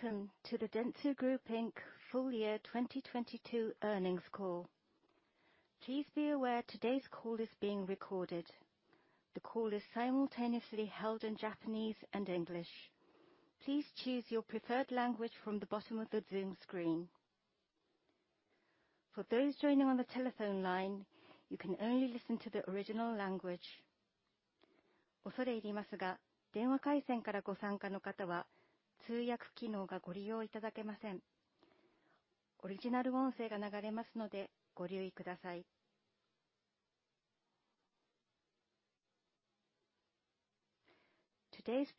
Welcome to the Dentsu Group Inc. full year 2022 earnings call. Please be aware today's call is being recorded. The call is simultaneously held in Japanese and English. Please choose your preferred language from the bottom of the Zoom screen. For those joining on the telephone line, you can only listen to the original language. Today's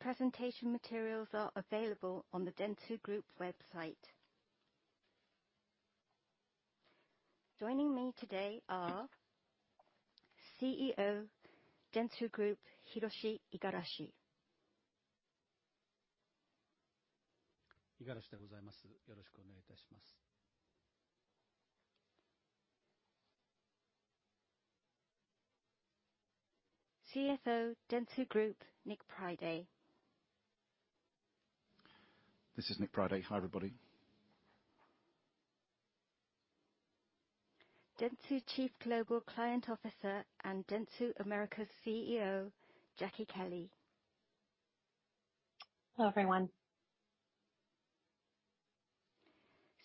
presentation materials are available on the Dentsu Group website. Joining me today are CEO Dentsu Group, Hiroshi Igarashi. Igarashi. CFO Dentsu Group, Nick Priday. This is Nick Priday. Hi, everybody. Dentsu Chief Global Client Officer and Dentsu Americas CEO, Jacki Kelley. Hello, everyone.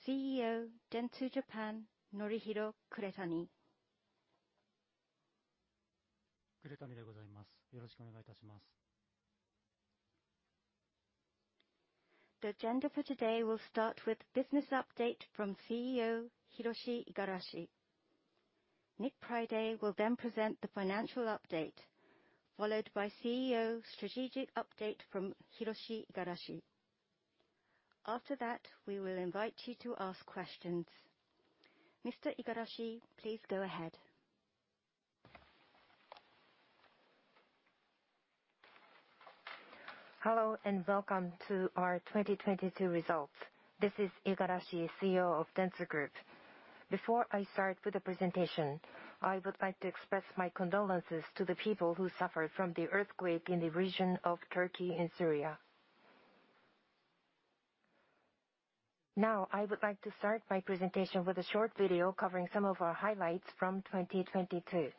CEO Dentsu Japan, Norihiro Kuretani. Kuretani. The agenda for today will start with business update from CEO Hiroshi Igarashi. Nick Priday will then present the financial update, followed by CEO strategic update from Hiroshi Igarashi. After that, we will invite you to ask questions. Mr. Igarashi, please go ahead. Hello, and welcome to our 2022 results. This is Igarashi, CEO of Dentsu Group. Before I start with the presentation, I would like to express my condolences to the people who suffered from the earthquake in the region of Turkey and Syria. I would like to start my presentation with a short video covering some of our highlights from 2022.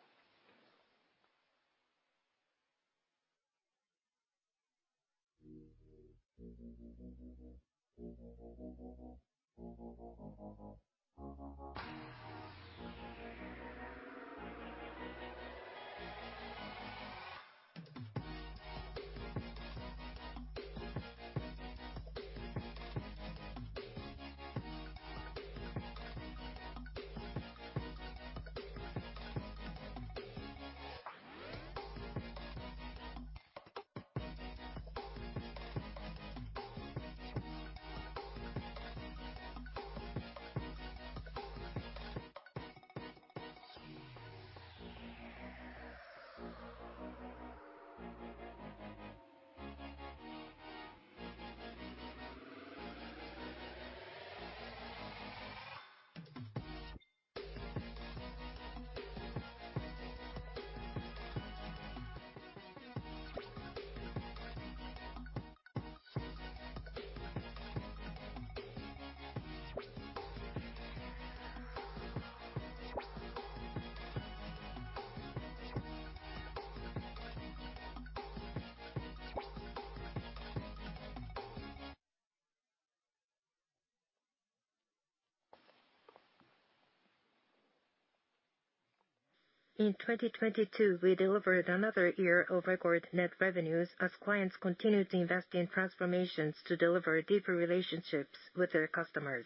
In 2022, we delivered another year of record net revenues as clients continued to invest in transformations to deliver deeper relationships with their customers.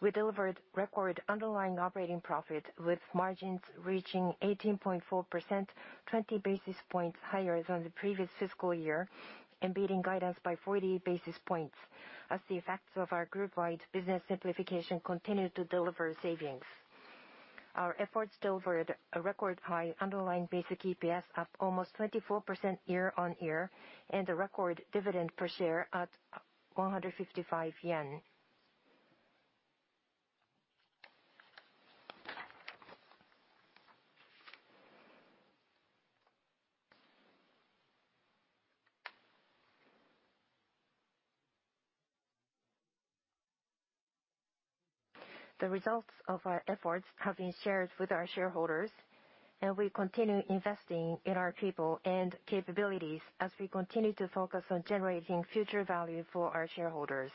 We delivered record underlying operating profit, with margins reaching 18.4%, 20 basis points higher than the previous fiscal year, and beating guidance by 40 basis points as the effects of our group-wide business simplification continued to deliver savings. Our efforts delivered a record high underlying basic EPS up almost 24% year-on-year, and a record dividend per share at 155 yen. The results of our efforts have been shared with our shareholders, and we continue investing in our people and capabilities as we continue to focus on generating future value for our shareholders.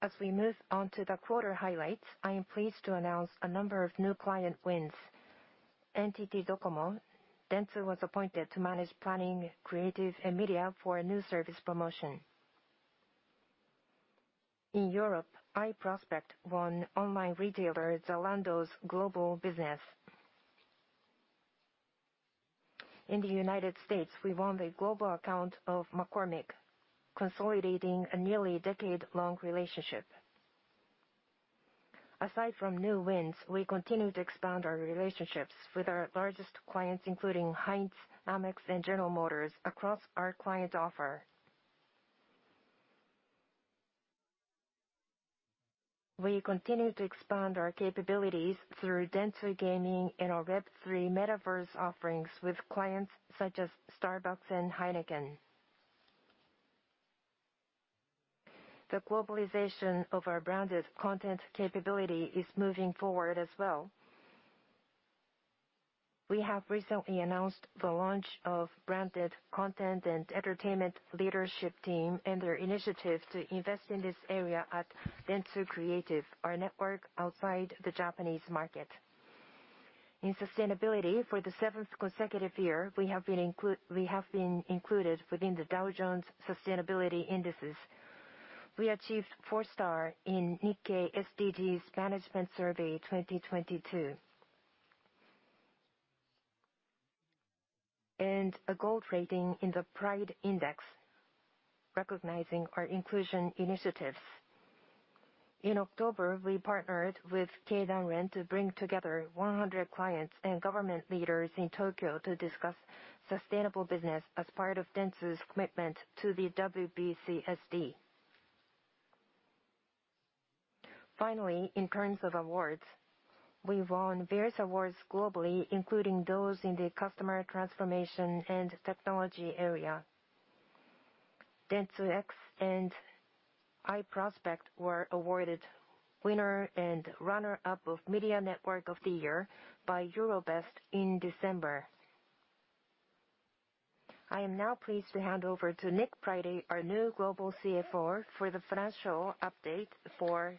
As we move on to the quarter highlights, I am pleased to announce a number of new client wins. NTT DOCOMO, Dentsu Group was appointed to manage planning, creative, and media for a new service promotion. In Europe, iProspect won online retailer Zalando's global business. In the United States, we won the global account of McCormick, consolidating a nearly decade-long relationship. Aside from new wins, we continue to expand our relationships with our largest clients, including Heinz, Amex, and General Motors across our client offer. We continue to expand our capabilities through Dentsu gaming and our Web3 Metaverse offerings with clients such as Starbucks and Heineken. The globalization of our branded content capability is moving forward as well. We have recently announced the launch of branded content and entertainment leadership team and their initiative to invest in this area at Dentsu Creative, our network outside the Japanese market. In sustainability, for the seventh consecutive year, we have been included within the Dow Jones Sustainability Indices. We achieved four star in Nikkei SDGs Management Survey 2022. A gold rating in the PRIDE Index, recognizing our inclusion initiatives. In October, we partnered with Keidanren to bring together 100 clients and government leaders in Tokyo to discuss sustainable business as part of Dentsu's commitment to the WBCSD. Finally, in terms of awards, we won various awards globally, including those in the customer transformation and technology area. Dentsu X and iProspect were awarded winner and runner-up of Media Network of the Year by Eurobest in December. I am now pleased to hand over to Nick Priday, our new global CFO, for the financial update for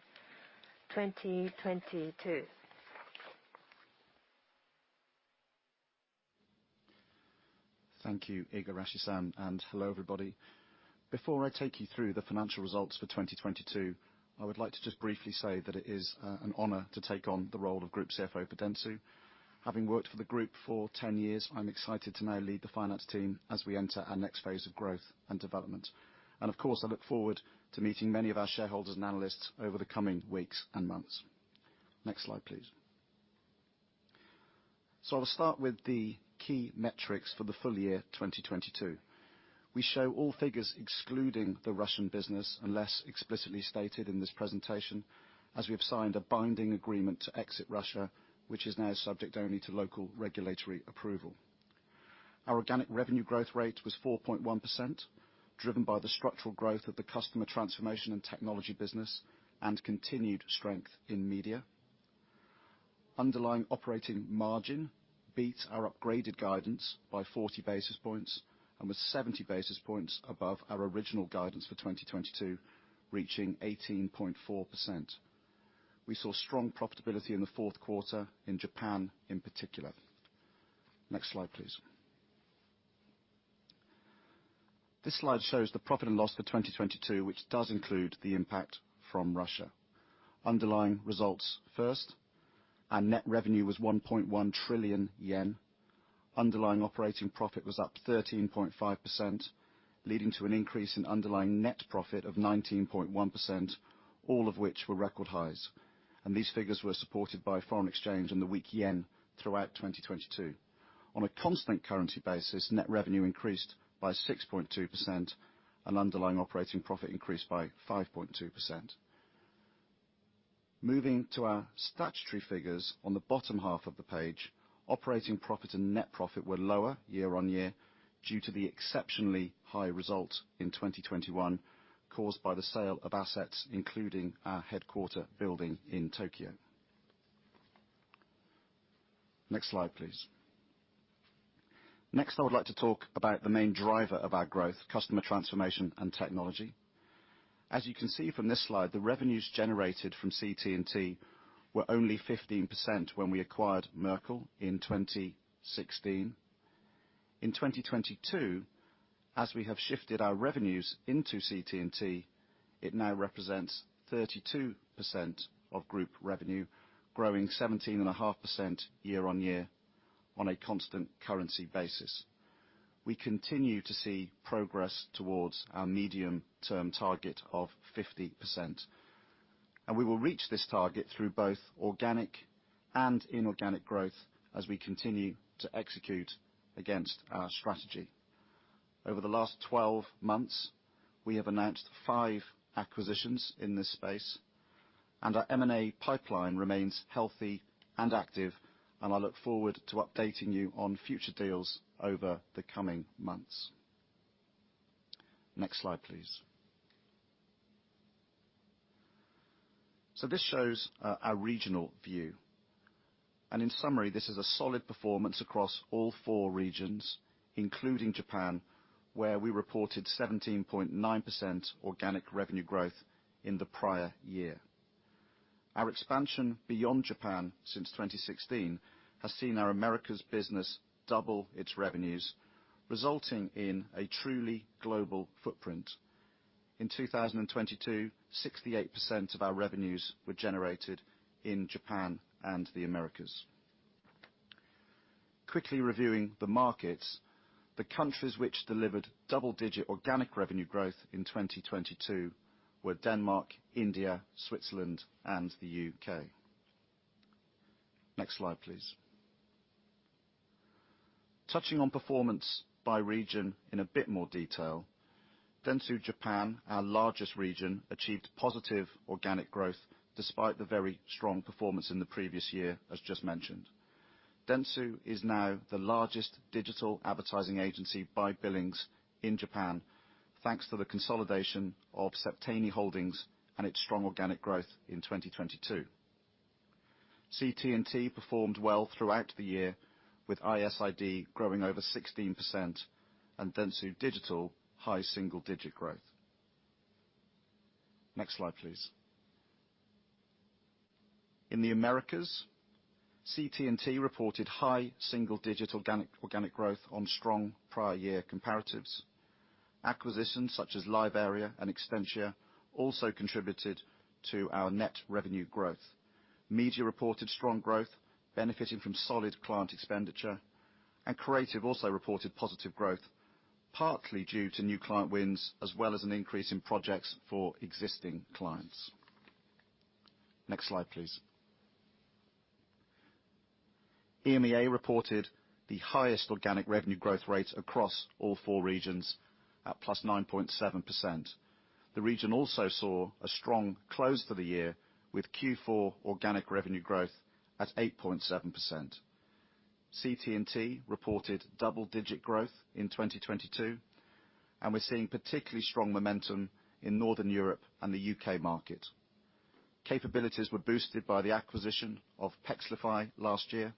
2022. Thank you, Igarashi-san, hello, everybody. Before I take you through the financial results for 2022, I would like to just briefly say that it is an honor to take on the role of Group CFO for Dentsu. Having worked for the group for 10-years, I'm excited to now lead the finance team as we enter our next phase of growth and development. Of course, I look forward to meeting many of our shareholders and analysts over the coming weeks and months. Next slide, please. I will start with the key metrics for the full year 2022. We show all figures excluding the Russian business, unless explicitly stated in this presentation, as we have signed a binding agreement to exit Russia, which is now subject only to local regulatory approval. Our organic revenue growth rate was 4.1%, driven by the structural growth of the Customer Transformation & Technology business and continued strength in media. Underlying operating margin beat our upgraded guidance by 40 basis points and was 70 basis points above our original guidance for 2022, reaching 18.4%. We saw strong profitability in the fourth quarter in Japan in particular. Next slide, please. This slide shows the profit and loss for 2022, which does include the impact from Russia. Underlying results first, our net revenue was 1.1 trillion yen. Underlying operating profit was up 13.5%, leading to an increase in underlying net profit of 19.1%, all of which were record highs. These figures were supported by foreign exchange and the weak yen throughout 2022. On a constant currency basis, net revenue increased by 6.2%, and underlying operating profit increased by 5.2%. Moving to our statutory figures on the bottom half of the page, operating profit and net profit were lower year-on-year due to the exceptionally high result in 2021 caused by the sale of assets, including our headquarter building in Tokyo. Next slide, please. I would like to talk about the main driver of our growth, Customer Transformation & Technology. As you can see from this slide, the revenues generated from CT&T were only 15% when we acquired Merkle in 2016. In 2022, as we have shifted our revenues into CT&T, it now represents 32% of group revenue, growing 17.5% year-on-year on a constant currency basis. We continue to see progress towards our medium-term target of 50%. We will reach this target through both organic and inorganic growth as we continue to execute against our strategy. Over the last 12-months, we have announced five acquisitions in this space. Our M&A pipeline remains healthy and active. I look forward to updating you on future deals over the coming months. Next slide, please. This shows our regional view. In summary, this is a solid performance across all four regions, including Japan, where we reported 17.9% organic revenue growth in the prior year. Our expansion beyond Japan since 2016 has seen our Americas business double its revenues, resulting in a truly global footprint. In 2022, 68% of our revenues were generated in Japan and the Americas. Quickly reviewing the markets, the countries which delivered double-digit organic revenue growth in 2022 were Denmark, India, Switzerland, and the U.K., Next slide, please. Touching on performance by region in a bit more detail. Dentsu Japan, our largest region, achieved positive organic growth despite the very strong performance in the previous year, as just mentioned. Dentsu is now the largest digital advertising agency by billings in Japan, thanks to the consolidation of Septeni Holdings and its strong organic growth in 2022. CT&T performed well throughout the year, with ISID growing over 16% and Dentsu Digital high single-digit growth. Next slide, please. In the Americas, CT&T reported high single-digit organic growth on strong prior year comparatives. Acquisitions such as LiveArea and Extentia also contributed to our net revenue growth. Media reported strong growth benefiting from solid client expenditure, and Creative also reported positive growth, partly due to new client wins as well as an increase in projects for existing clients. Next slide, please. EMEA reported the highest organic revenue growth rate across all four regions at +9.7%. The region also saw a strong close to the year with Q4 organic revenue growth at 8.7%. CT&T reported double-digit growth in 2022, and we're seeing particularly strong momentum in Northern Europe and the U.K. market. Capabilities were boosted by the acquisition of Pexlify last year.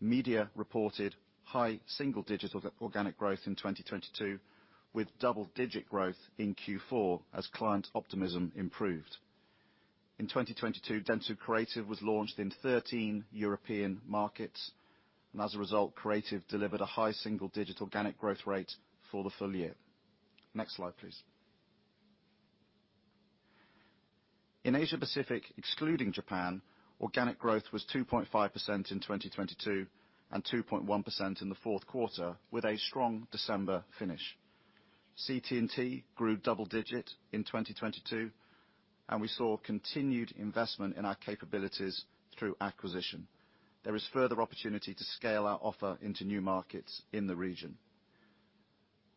Media reported high single-digit organic growth in 2022, with double-digit growth in Q4 as client optimism improved. In 2022, Dentsu Creative was launched in 13 European markets, and as a result, Creative delivered a high single-digit organic growth rate for the full year. Next slide, please. In Asia-Pacific, excluding Japan, organic growth was 2.5% in 2022 and 2.1% in the fourth quarter with a strong December finish. CT&T grew double digit in 2022, and we saw continued investment in our capabilities through acquisition. There is further opportunity to scale our offer into new markets in the region.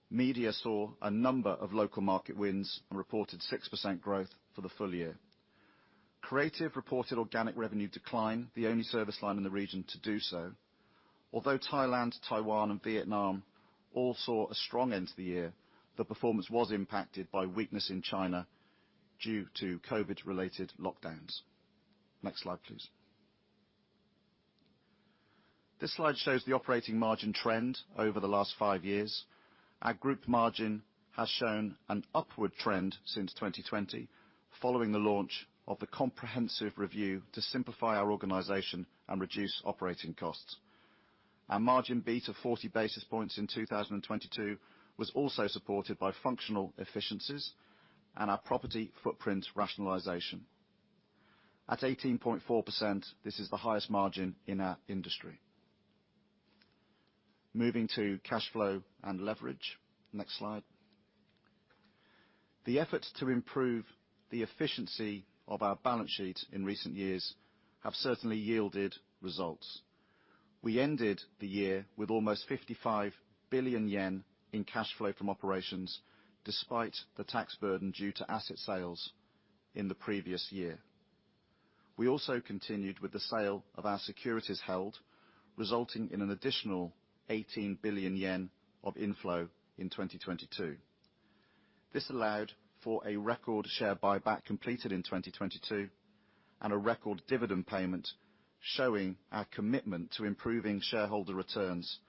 Media saw a number of local market wins and reported 6% growth for the full year. Creative reported organic revenue decline, the only service line in the region to do so. Thailand, Taiwan, and Vietnam all saw a strong end to the year, the performance was impacted by weakness in China due to COVID-related lockdowns. Next slide, please. This slide shows the operating margin trend over the last five years. Our group margin has shown an upward trend since 2020, following the launch of the comprehensive review to simplify our organization and reduce operating costs. Our margin beat of 40 basis points in 2022 was also supported by functional efficiencies and our property footprint rationalization. At 18.4%, this is the highest margin in our industry. Moving to cash flow and leverage. Next slide. The effort to improve the efficiency of our balance sheet in recent years have certainly yielded results. We ended the year with almost 55 billion yen in cash flow from operations despite the tax burden due to asset sales in the previous year. We also continued with the sale of our securities held, resulting in an additional 18 billion yen of inflow in 2022. This allowed for a record share buyback completed in 2022 and a record dividend payment, showing our commitment to improving shareholder returns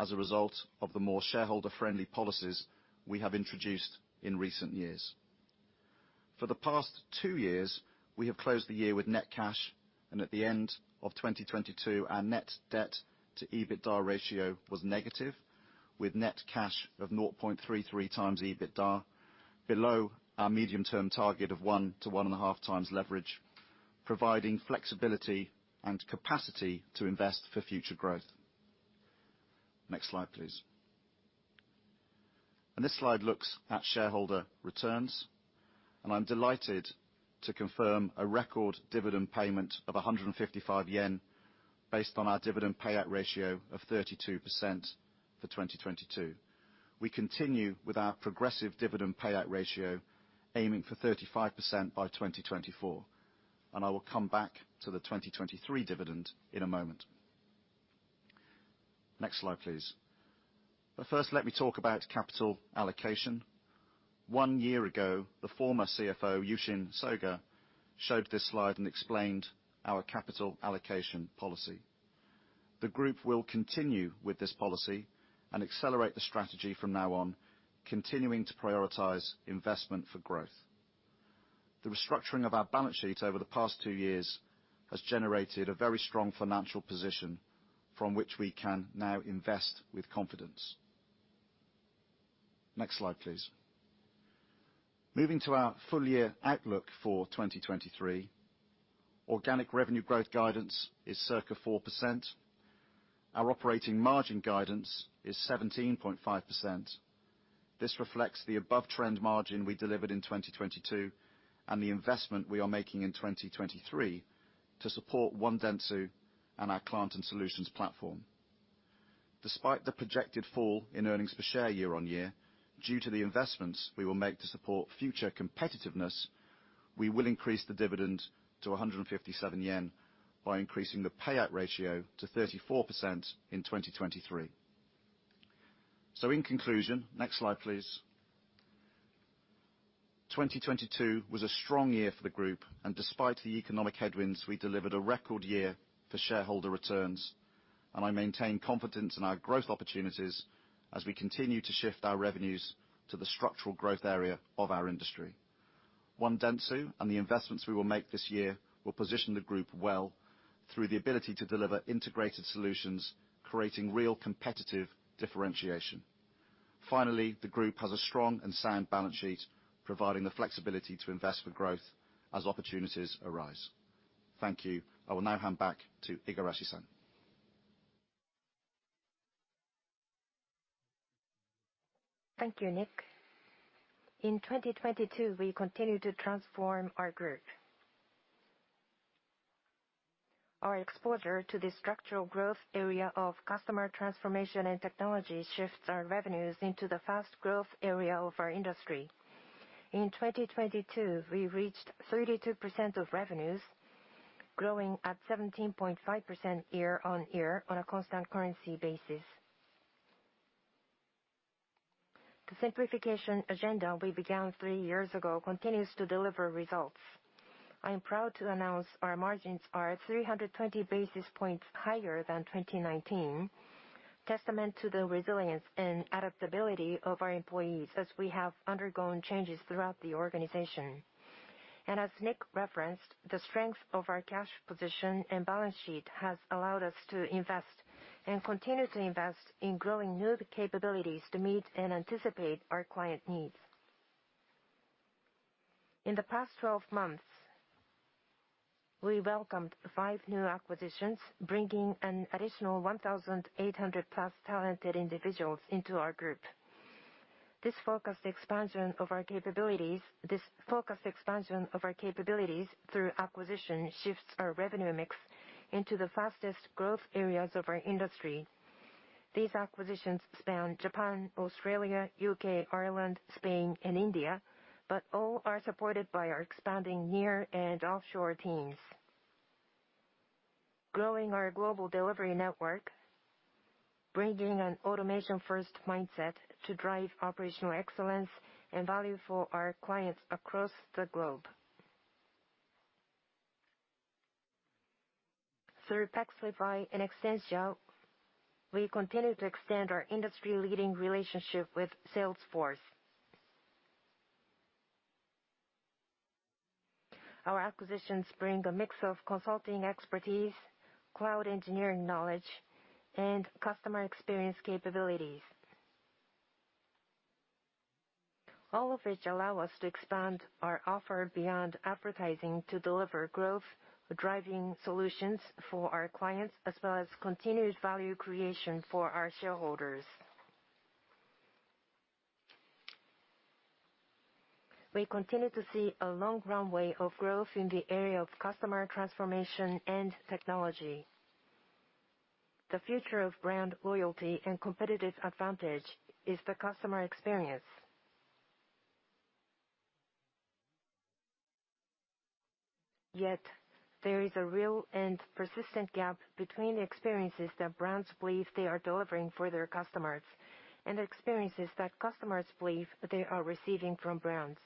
as a result of the more shareholder-friendly policies we have introduced in recent years. For the past two years, we have closed the year with net cash, and at the end of 2022, our net debt to EBITDA ratio was negative, with net cash of 0.33x EBITDA below our medium-term target of 1x-1.5x leverage, providing flexibility and capacity to invest for future growth. Next slide, please. This slide looks at shareholder returns, and I'm delighted to confirm a record dividend payment of 155 yen based on our dividend payout ratio of 32% for 2022. We continue with our progressive dividend payout ratio, aiming for 35% by 2024. I will come back to the 2023 dividend in a moment. Next slide, please. First, let me talk about capital allocation. One year ago, the former CFO, Yushin Soga, showed this slide and explained our capital allocation policy. The group will continue with this policy and accelerate the strategy from now on, continuing to prioritize investment for growth. The restructuring of our balance sheet over the past two years has generated a very strong financial position from which we can now invest with confidence. Next slide, please. Moving to our full year outlook for 2023. Organic revenue growth guidance is circa 4%. Our operating margin guidance is 17.5%. This reflects the above trend margin we delivered in 2022, and the investment we are making in 2023 to support One Dentsu and our client and solutions platform. Despite the projected fall in earnings per share year-over-year due to the investments we will make to support future competitiveness, we will increase the dividend to 157 yen by increasing the payout ratio to 34% in 2023. In conclusion, next slide please. 2022 was a strong year for the group, and despite the economic headwinds, we delivered a record year for shareholder returns. I maintain confidence in our growth opportunities as we continue to shift our revenues to the structural growth area of our industry. One Dentsu and the investments we will make this year will position the group well through the ability to deliver integrated solutions, creating real competitive differentiation. Finally, the group has a strong and sound balance sheet, providing the flexibility to invest for growth as opportunities arise. Thank you. I will now hand back to Igarashi-san. Thank you, Nick. In 2022, we continued to transform our Group. Our exposure to the structural growth area of Customer Transformation & Technology shifts our revenues into the fast growth area of our industry. In 2022, we reached 32% of revenues growing at 17.5% year-over-year on a constant currency basis. The simplification agenda we began three years ago continues to deliver results. I am proud to announce our margins are 320 basis points higher than 2019. Testament to the resilience and adaptability of our employees as we have undergone changes throughout the organization. As Nick referenced, the strength of our cash position and balance sheet has allowed us to invest and continue to invest in growing new capabilities to meet and anticipate our client needs. In the past 12-months, we welcomed five new acquisitions, bringing an additional 1,800 plus talented individuals into our group. This focused expansion of our capabilities through acquisition shifts our revenue mix into the fastest growth areas of our industry. These acquisitions span Japan, Australia, U.K., Ireland, Spain and India, but all are supported by our expanding near and offshore teams. Growing our global delivery network, bringing an automation-first mindset to drive operational excellence and value for our clients across the globe. Through Pexlify and Extentia, we continue to extend our industry-leading relationship with Salesforce. Our acquisitions bring a mix of consulting expertise, cloud engineering knowledge, and customer experience capabilities. All of which allow us to expand our offer beyond advertising to deliver growth-driving solutions for our clients, as well as continued value creation for our shareholders. We continue to see a long runway of growth in the area of customer transformation and technology. The future of brand loyalty and competitive advantage is the customer experience. Yet there is a real and persistent gap between the experiences that brands believe they are delivering for their customers, and the experiences that customers believe they are receiving from brands.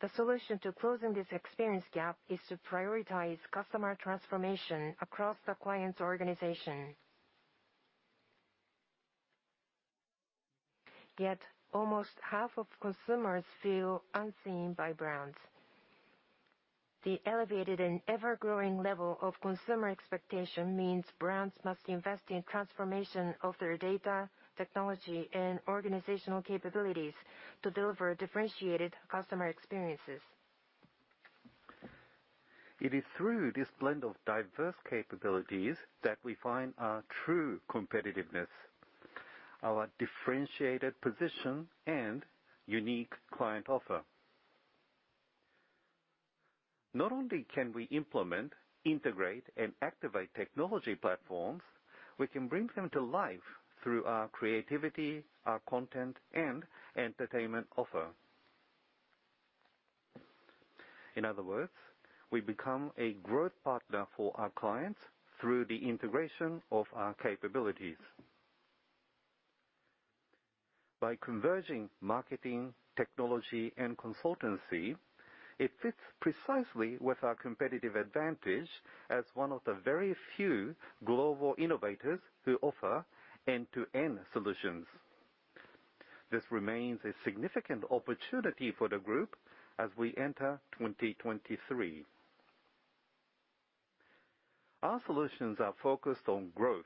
The solution to closing this experience gap is to prioritize customer transformation across the client's organization. Yet almost half of consumers feel unseen by brands. The elevated and ever-growing level of consumer expectation means brands must invest in transformation of their data, technology and organizational capabilities to deliver differentiated customer experiences. It is through this blend of diverse capabilities that we find our true competitiveness, our differentiated position and unique client offer. Not only can we implement, integrate, and activate technology platforms, we can bring them to life through our creativity, our content and entertainment offer. In other words, we become a growth partner for our clients through the integration of our capabilities. By converging marketing, technology and consultancy, it fits precisely with our competitive advantage as one of the very few global innovators who offer end-to-end solutions. This remains a significant opportunity for the group as we enter 2023. Our solutions are focused on growth,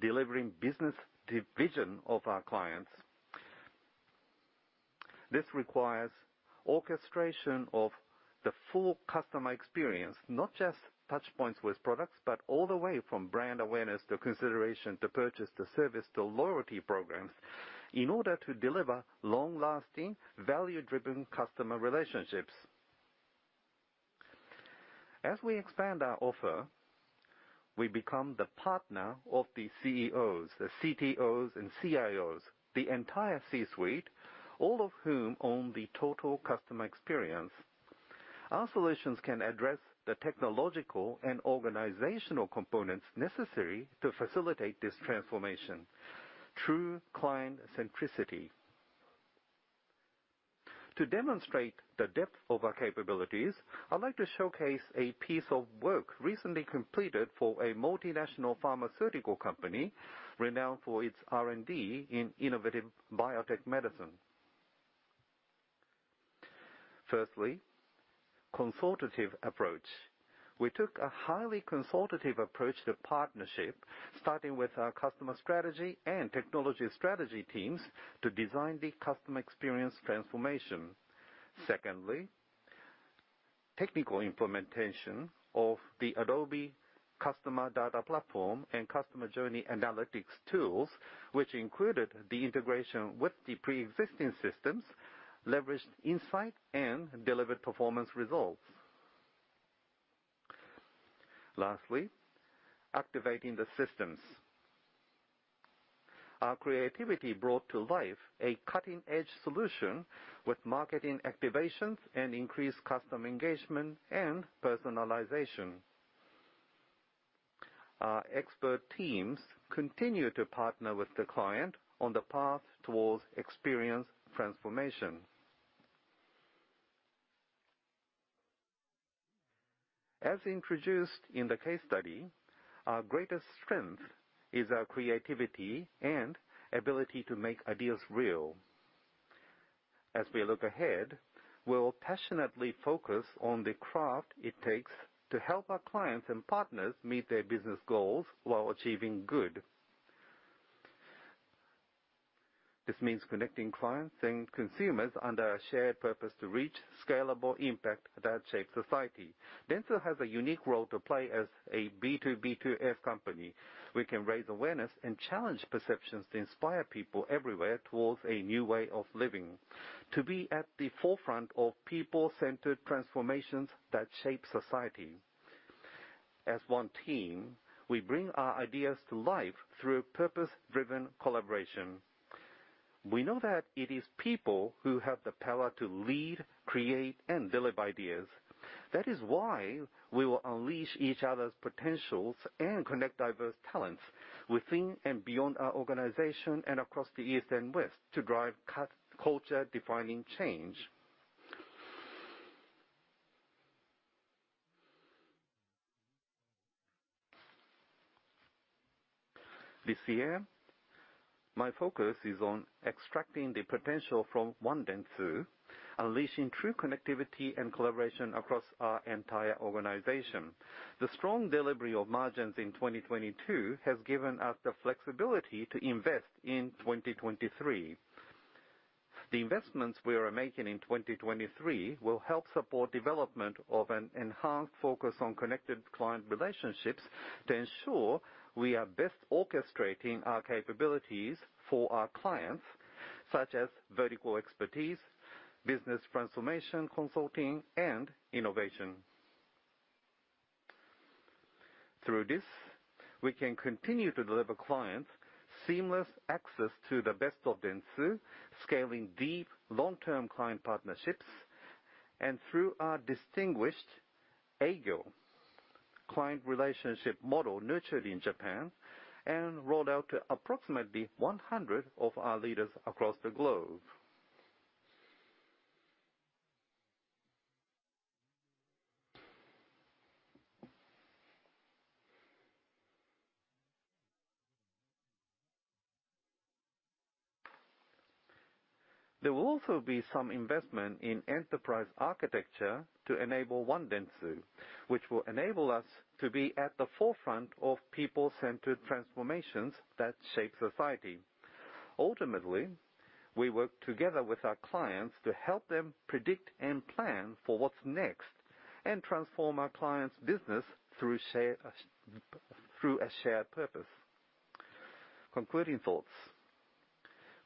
delivering business division of our clients. This requires orchestration of the full customer experience, not just touchpoints with products, but all the way from brand awareness to consideration to purchase to service to loyalty programs in order to deliver long-lasting value-driven customer relationships. As we expand our offer, we become the partner of the CEOs, the CTOs and CIOs, the entire C-suite, all of whom own the total customer experience. Our solutions can address the technological and organizational components necessary to facilitate this transformation through client centricity. To demonstrate the depth of our capabilities, I'd like to showcase a piece of work recently completed for a multinational pharmaceutical company renowned for its R&D in innovative biotech medicine. Firstly, consultative approach. We took a highly consultative approach to partnership, starting with our customer strategy and technology strategy teams to design the customer experience transformation. Secondly, technical implementation of the Adobe customer data platform and customer journey analytics tools, which included the integration with the pre-existing systems, leveraged insight, and delivered performance results. Lastly, activating the systems. Our creativity brought to life a cutting-edge solution with marketing activations and increased customer engagement and personalization. Our expert teams continue to partner with the client on the path towards experience transformation. As introduced in the case study, our greatest strength is our creativity and ability to make ideas real. As we look ahead, we'll passionately focus on the craft it takes to help our clients and partners meet their business goals while achieving good. This means connecting clients and consumers under a shared purpose to reach scalable impact that shape society. Dentsu has a unique role to play as a B2B2S company. We can raise awareness and challenge perceptions to inspire people everywhere towards a new way of living, to be at the forefront of people-centered transformations that shape society. As one team, we bring our ideas to life through purpose-driven collaboration. We know that it is people who have the power to lead, create, and deliver ideas. That is why we will unleash each other's potentials and connect diverse talents within and beyond our organization and across the east and west to drive culture defining change. This year, my focus is on extracting the potential from One Dentsu, unleashing true connectivity and collaboration across our entire organization. The strong delivery of margins in 2022 has given us the flexibility to invest in 2023. The investments we are making in 2023 will help support development of an enhanced focus on connected client relationships to ensure we are best orchestrating our capabilities for our clients, such as vertical expertise, business transformation consulting, and innovation. Through this, we can continue to deliver clients seamless access to the best of Dentsu, scaling deep long-term client partnerships, and through our distinguished Igyo client relationship model nurtured in Japan and rolled out to approximately 100 of our leaders across the globe. There will also be some investment in enterprise architecture to enable One Dentsu, which will enable us to be at the forefront of people-centered transformations that shape society. Ultimately, we work together with our clients to help them predict and plan for what's next and transform our clients' business through a shared purpose. Concluding thoughts.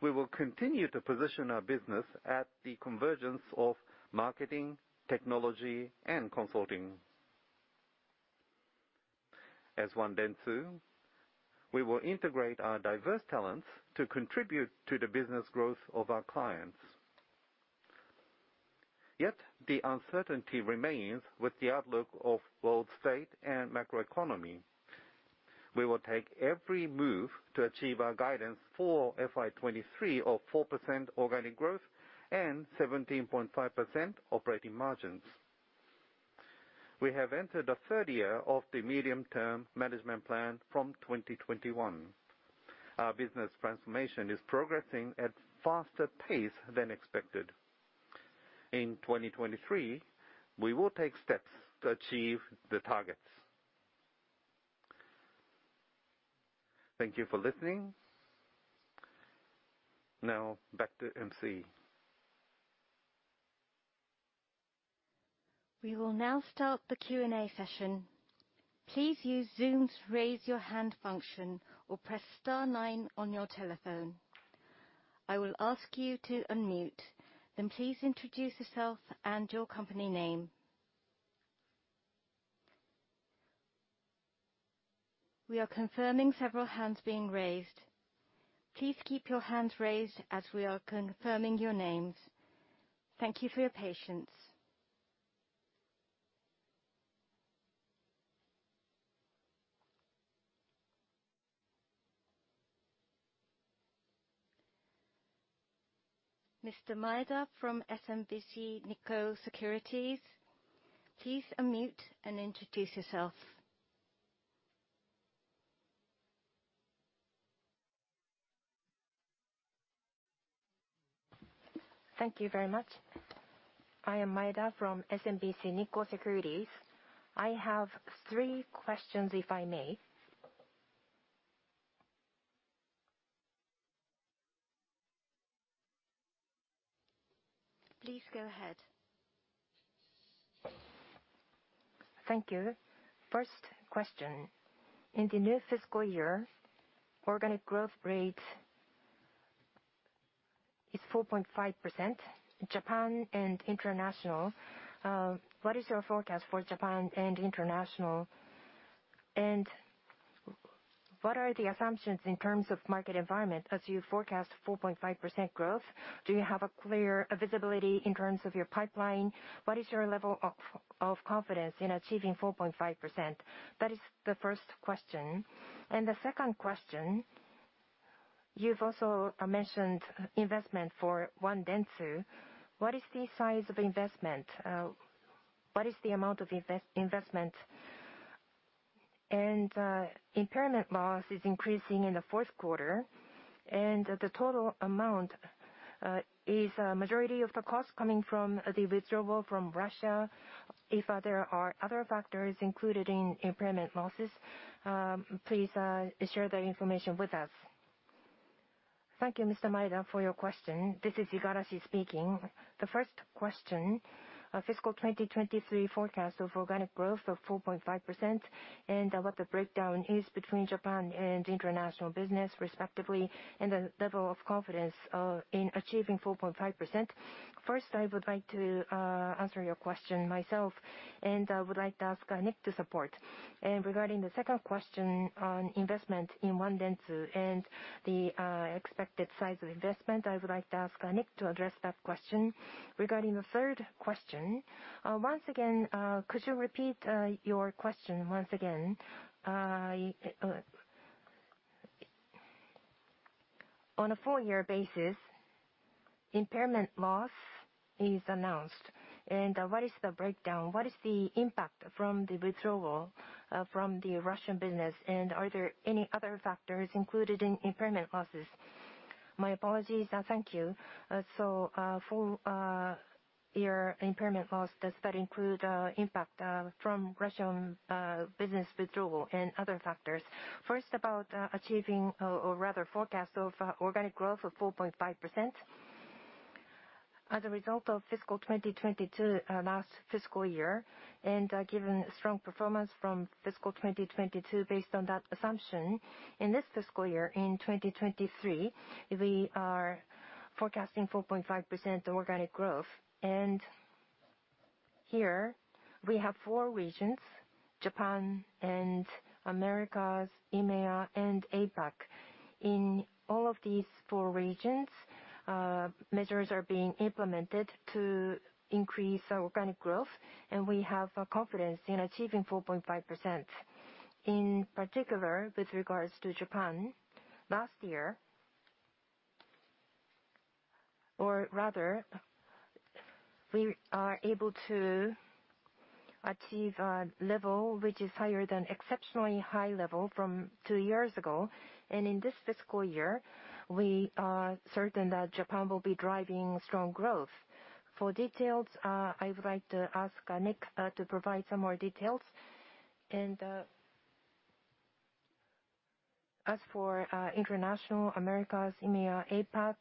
We will continue to position our business at the convergence of marketing, technology, and consulting. As One Dentsu, we will integrate our diverse talents to contribute to the business growth of our clients. The uncertainty remains with the outlook of world state and macroeconomy. We will take every move to achieve our guidance for FY 2023 of 4% organic growth and 17.5% operating margins. We have entered the third year of the medium-term management plan from 2021. Our business transformation is progressing at faster pace than expected. In 2023, we will take steps to achieve the targets. Thank you for listening. Now back to MC. We will now start the Q&A session. Please use Zoom's Raise Your Hand function or press star nine on your telephone. I will ask you to unmute, then please introduce yourself and your company name. We are confirming several hands being raised. Please keep your hands raised as we are confirming your names. Thank you for your patience. Mr. Maeda from SMBC Nikko Securities, please unmute and introduce yourself. Thank you very much. I am Maeda from SMBC Nikko Securities. I have three questions, if I may. Please go ahead. Thank you. First question, in the new fiscal year, organic growth rate is 4.5%. Japan and international, what is your forecast for Japan and international? What are the assumptions in terms of market environment as you forecast 4.5% growth? Do you have a clear visibility in terms of your pipeline? What is your level of confidence in achieving 4.5%? That is the first question. The second question, you've also mentioned investment for One Dentsu. What is the size of investment? What is the amount of investment? Impairment loss is increasing in the fourth quarter, and the total amount is a majority of the cost coming from the withdrawal from Russia. If there are other factors included in impairment losses, please share that information with us. Thank you, Mr. Maeda, for your question. This is Igarashi speaking. The first question, our fiscal 2023 forecast of organic growth of 4.5% and what the breakdown is between Japan and international business respectively, and the level of confidence in achieving 4.5%. First, I would like to answer your question myself, and I would like to ask Nick to support. Regarding the second question on investment in One Dentsu and the expected size of investment, I would like to ask Nick to address that question. Regarding the third question, once again, could you repeat your question once again? On a full year basis, impairment loss is announced, what is the breakdown? What is the impact from the withdrawal from the Russian business? Are there any other factors included in impairment losses? My apologies. Thank you. Full year impairment loss, does that include impact from Russian business withdrawal and other factors? First, about achieving forecast of organic growth of 4.5%. As a result of fiscal 2022, last fiscal year, and given strong performance from fiscal 2022, based on that assumption, in this fiscal year, in 2023, we are forecasting 4.5% organic growth. Here we have four regions, Japan and Americas, EMEA, and APAC. In all of these four regions, measures are being implemented to increase our organic growth, and we have confidence in achieving 4.5%. In particular, with regards to Japan, last year, we are able to achieve a level which is higher than exceptionally high level from two years ago. In this fiscal year, we are certain that Japan will be driving strong growth. For details, I would like to ask Nick to provide some more details. As for international, Americas, EMEA, APAC,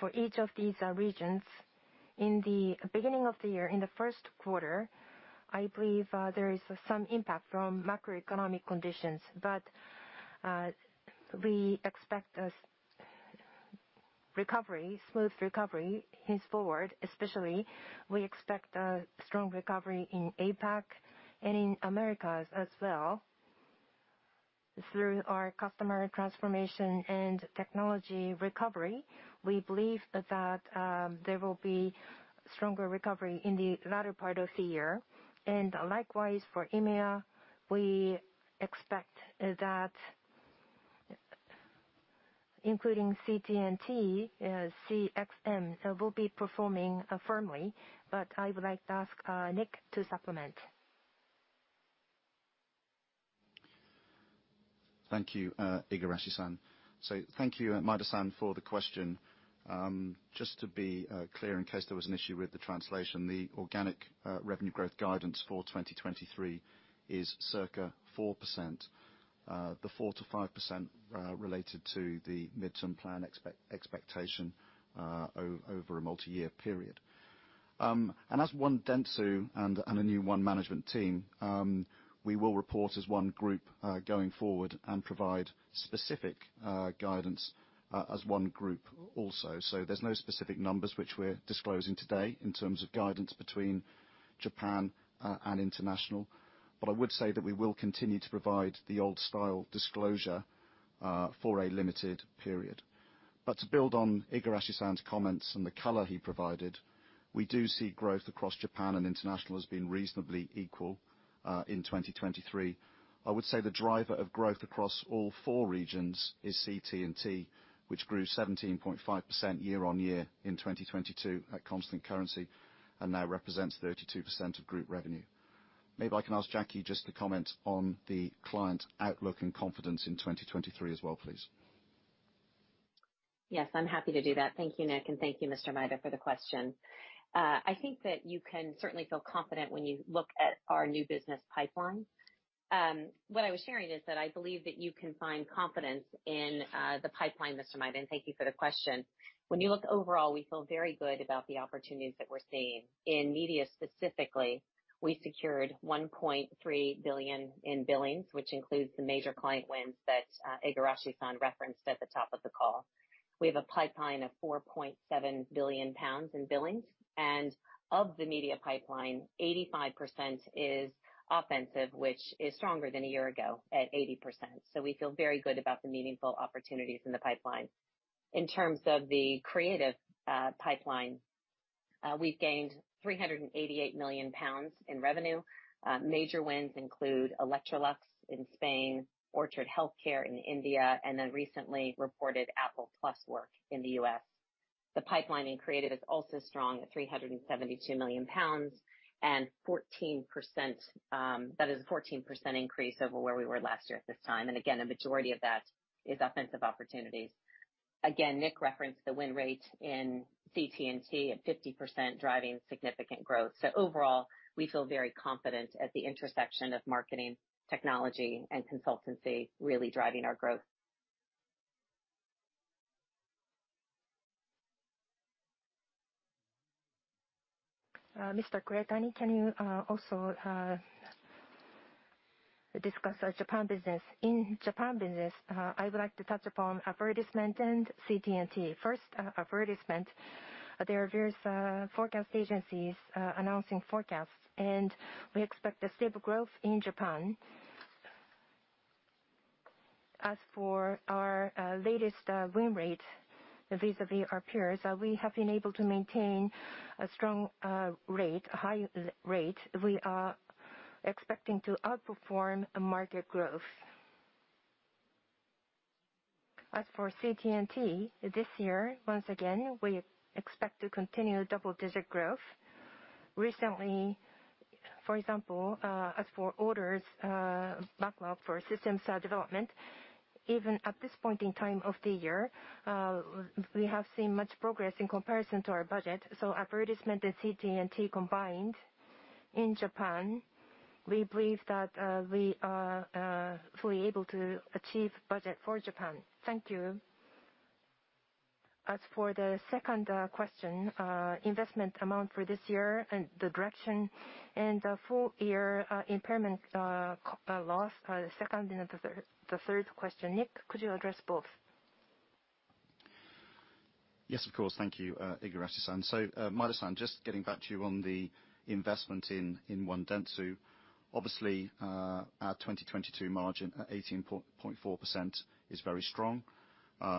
for each of these regions, in the beginning of the year, in the first quarter, I believe there is some impact from macroeconomic conditions, but we expect a recovery, smooth recovery henceforward, especially we expect a strong recovery in APAC and in Americas as well. Through our Customer Transformation & Technology recovery, we believe that there will be stronger recovery in the latter part of the year. Likewise for EMEA, we expect that including CT&T, CXM will be performing firmly. I would like to ask Nick to supplement. Thank you, Igarashi-san. Thank you, Maeda-san, for the question. Just to be clear, in case there was an issue with the translation, the organic revenue growth guidance for 2023 is circa 4%. The 4%-5% related to the midterm plan expectation over a multi-year period. As One Dentsu and a new one management team, we will report as one group going forward and provide specific guidance as one group also. There's no specific numbers which we're disclosing today in terms of guidance between Japan and international. I would say that we will continue to provide the old style disclosure for a limited period. To build on Igarashi-san's comments and the color he provided, we do see growth across Japan and international as being reasonably equal in 2023. I would say the driver of growth across all four regions is CT&T, which grew 17.5% year-over-year in 2022 at constant currency and now represents 32% of group revenue. Maybe I can ask Jacki just to comment on the client outlook and confidence in 2023 as well, please. Yes, I'm happy to do that. Thank you, Nick, and thank you, Mr. Maeda, for the question. I think that you can certainly feel confident when you look at our new business pipeline. What I was sharing is that I believe that you can find confidence in the pipeline, Mr. Maeda, and thank you for the question. When you look overall, we feel very good about the opportunities that we're seeing. In media specifically, we secured 1.3 billion in billings, which includes the major client wins that Igarashi-san referenced at the top of the call. We have a pipeline of 4.7 billion pounds in billings, and of the media pipeline, 85% is offensive, which is stronger than a year ago at 80%. We feel very good about the meaningful opportunities in the pipeline. In terms of the creative pipeline, we've gained 388 million pounds in revenue. Major wins include Electrolux in Spain, Orchard Healthcare in India, and the recently reported Apple TV+ work in the U.S. The pipeline in creative is also strong at 372 million pounds and 14%. That is a 14% increase over where we were last year at this time. Again, a majority of that is offensive opportunities. Again, Nick referenced the win rate in CT&T at 50%, driving significant growth. Overall, we feel very confident at the intersection of marketing, technology, and consultancy really driving our growth. Mr. Kuretani, can you also discuss our Japan business? In Japan business, I would like to touch upon advertisement and CT&T. First, advertisement. There are various forecast agencies announcing forecasts. We expect a stable growth in Japan. As for our latest win rate vis-à-vis our peers, we have been able to maintain a strong rate, a high rate. We are expecting to outperform market growth. As for CT&T, this year, once again, we expect to continue double-digit growth. Recently, for example, as for orders, backlog for systems development, even at this point in time of the year, we have seen much progress in comparison to our budget. Advertisement and CT&T combined in Japan, we believe that we are fully able to achieve budget for Japan. Thank you. As for the second question, investment amount for this year and the direction and the full year impairment loss, the second and the third question. Nick, could you address both? Yes, of course. Thank you, Igarashi-san. Maeda-san, just getting back to you on the investment in One Dentsu. Obviously, our 2022 margin at 18.4% is very strong.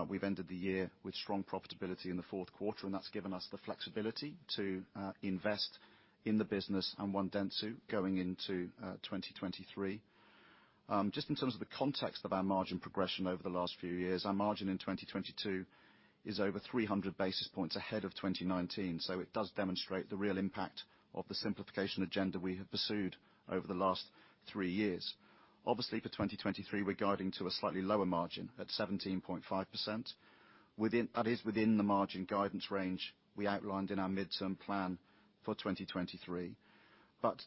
We've ended the year with strong profitability in the fourth quarter, and that's given us the flexibility to invest in the business and One Dentsu going into 2023. Just in terms of the context of our margin progression over the last few years, our margin in 2022 is over 300 basis points ahead of 2019. It does demonstrate the real impact of the simplification agenda we have pursued over the last three years. Obviously, for 2023, we're guiding to a slightly lower margin at 17.5%. That is within the margin guidance range we outlined in our midterm plan for 2023.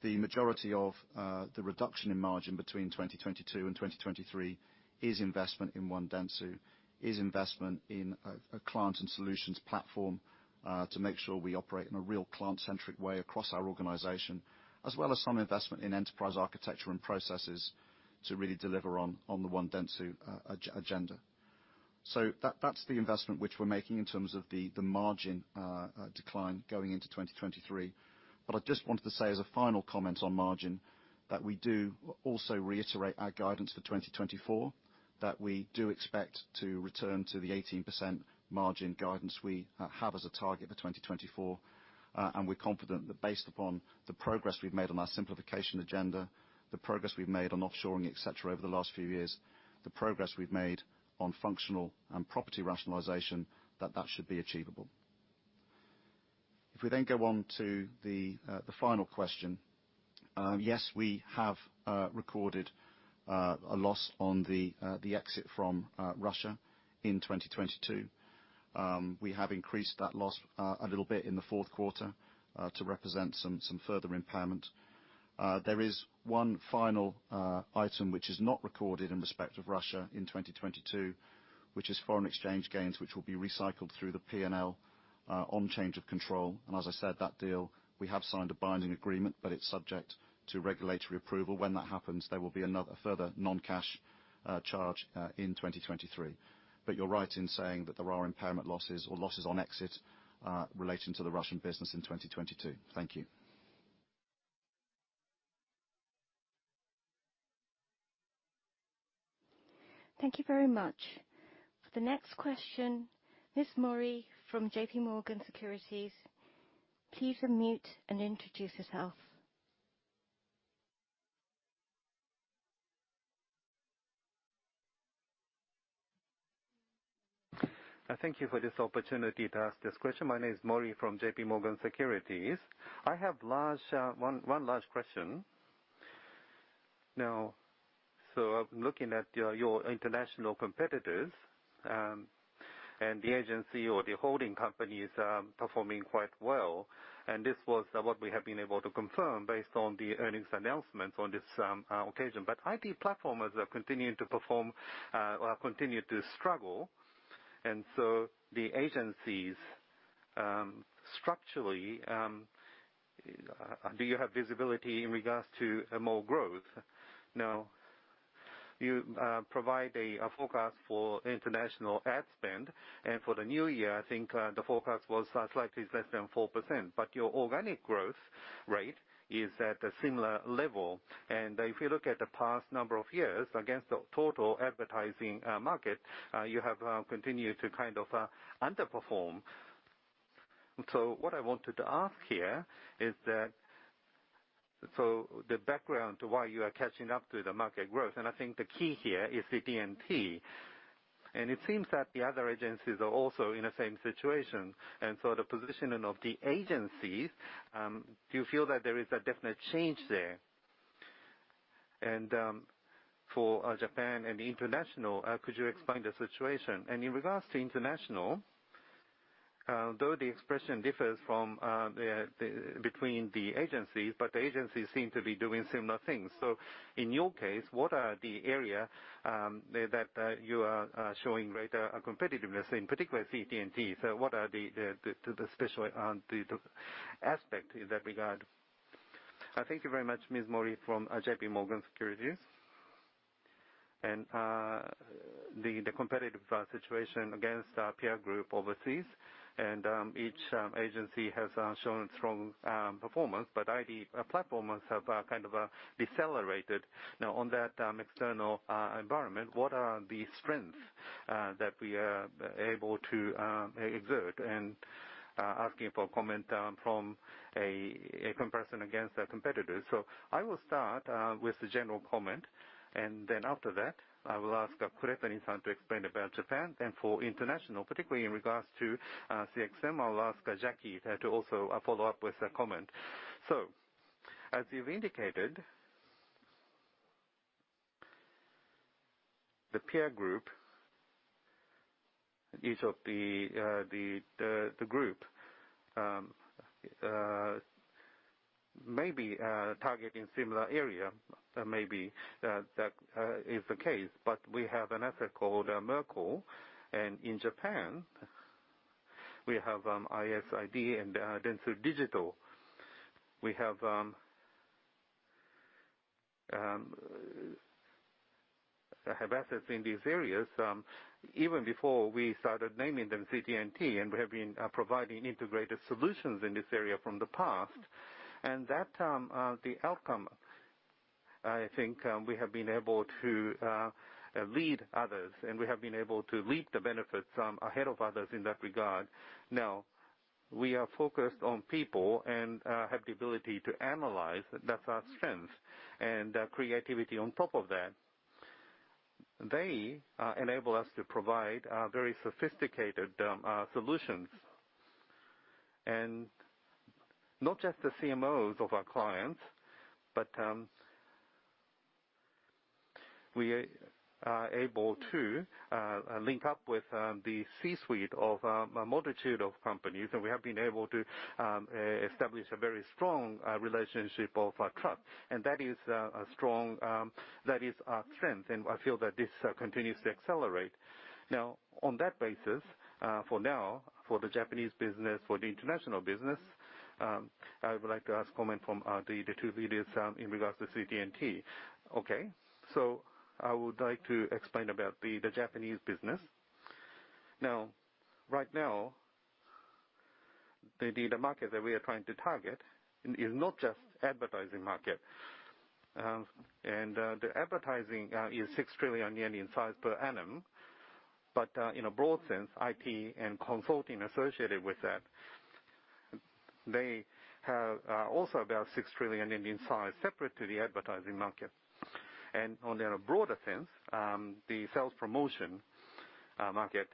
The majority of the reduction in margin between 2022 and 2023 is investment in One Dentsu, is investment in a client and solutions platform to make sure we operate in a real client-centric way across our organization, as well as some investment in enterprise architecture and processes to really deliver on the One Dentsu agenda. That's the investment which we're making in terms of the margin decline going into 2023. I just wanted to say as a final comment on margin, that we do also reiterate our guidance for 2024, that we do expect to return to the 18% margin guidance we have as a target for 2024. We're confident that based upon the progress we've made on our simplification agenda, the progress we've made on offshoring, et cetera, over the last few years, the progress we've made on functional and property rationalization, that should be achievable. We then go on to the final question. Yes, we have recorded a loss on the exit from Russia in 2022. We have increased that loss a little bit in the fourth quarter to represent some further impairment. There is one final item which is not recorded in respect of Russia in 2022, which is foreign exchange gains, which will be recycled through the P&L on change of control. As I said, that deal, we have signed a binding agreement, but it's subject to regulatory approval. When that happens, there will be another further non-cash charge in 2023. You're right in saying that there are impairment losses or losses on exit relating to the Russian business in 2022. Thank you. Thank you very much. For the next question, Ms. Mori from JPMorgan Securities, please unmute and introduce yourself. Thank you for this opportunity to ask this question. My name is Mori from JPMorgan Securities. I have one large question. Looking at your international competitors, the agency or the holding companies are performing quite well, and this was what we have been able to confirm based on the earnings announcements on this occasion. IT platformers are continuing to perform or continue to struggle, the agencies, structurally, do you have visibility in regards to more growth? You provide a forecast for international ad spend, for the new year, I think the forecast was slightly less than 4%. Your organic growth rate is at a similar level. If you look at the past number of years against the total advertising market, you have continued to underperform. What I wanted to ask here is that the background to why you are catching up to the market growth, and I think the key here is the CT&T. It seems that the other agencies are also in the same situation, the positioning of the agencies, do you feel that there is a definite change there? For Japan and international, could you explain the situation? In regards to international, though the expression differs from between the agencies, the agencies seem to be doing similar things. In your case, what are the area that you are showing greater competitiveness, in particular CT&T? What are the special aspect in that regard? Thank you very much, Ms. Mori from JPMorgan Securities. The competitive situation against our peer group overseas and each agency has shown strong performance, but IT platformers have kind of decelerated. On that external environment, what are the strengths that we are able to exert? Asking for comment from a comparison against our competitors. I will start with the general comment, and then after that, I will ask Kuretani-san to explain about Japan. For international, particularly in regards to CXM, I will ask Jackie to also follow up with a comment. As you've indicated, the peer group, each of the group may be targeting similar area, maybe that is the case. We have an asset called Merkle, and in Japan, we have ISID and Dentsu Digital. We have assets in these areas even before we started naming them CT&T, and we have been providing integrated solutions in this area from the past. That the outcome, I think, we have been able to lead others, and we have been able to reap the benefits ahead of others in that regard. Now, we are focused on people and have the ability to analyze. That's our strength and creativity on top of that. They enable us to provide very sophisticated solutions. Not just the CMOs of our clients, but we are able to link up with the C-suite of a multitude of companies, and we have been able to establish a very strong relationship of trust. That is a strong, that is our strength, and I feel that this continues to accelerate. On that basis, for now, for the Japanese business, for the international business, I would like to ask comment from the two leaders in regards to CT&T. I would like to explain about the Japanese business. Right now, the market that we are trying to target is not just advertising market. The advertising is 6 trillion yen in size per annum. In a broad sense, IT and consulting associated with that, they have also about 6 trillion in size separate to the advertising market. On a broader sense, the sales promotion market.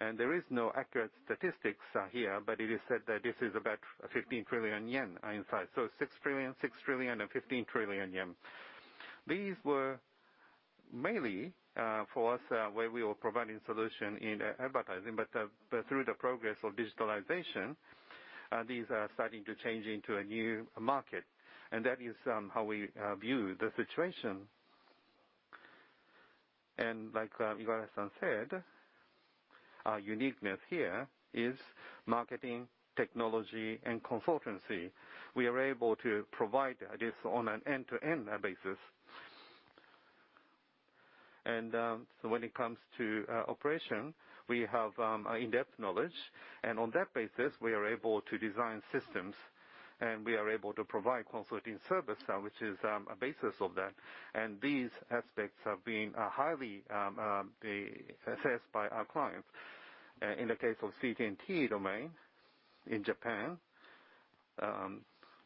There is no accurate statistics here, but it is said that this is about 15 trillion yen in size. 6 trillion, 6 trillion and 15 trillion yen. These were mainly for us, where we were providing solution in advertising, but through the progress of digitalization, these are starting to change into a new market, and that is how we view the situation. Like Igarashi-san said, our uniqueness here is marketing, technology and consultancy. We are able to provide this on an end-to-end basis. When it comes to operation, we have in-depth knowledge, and on that basis we are able to design systems, and we are able to provide consulting service, which is a basis of that. These aspects are being highly assessed by our clients. In the case of CT&T domain in Japan,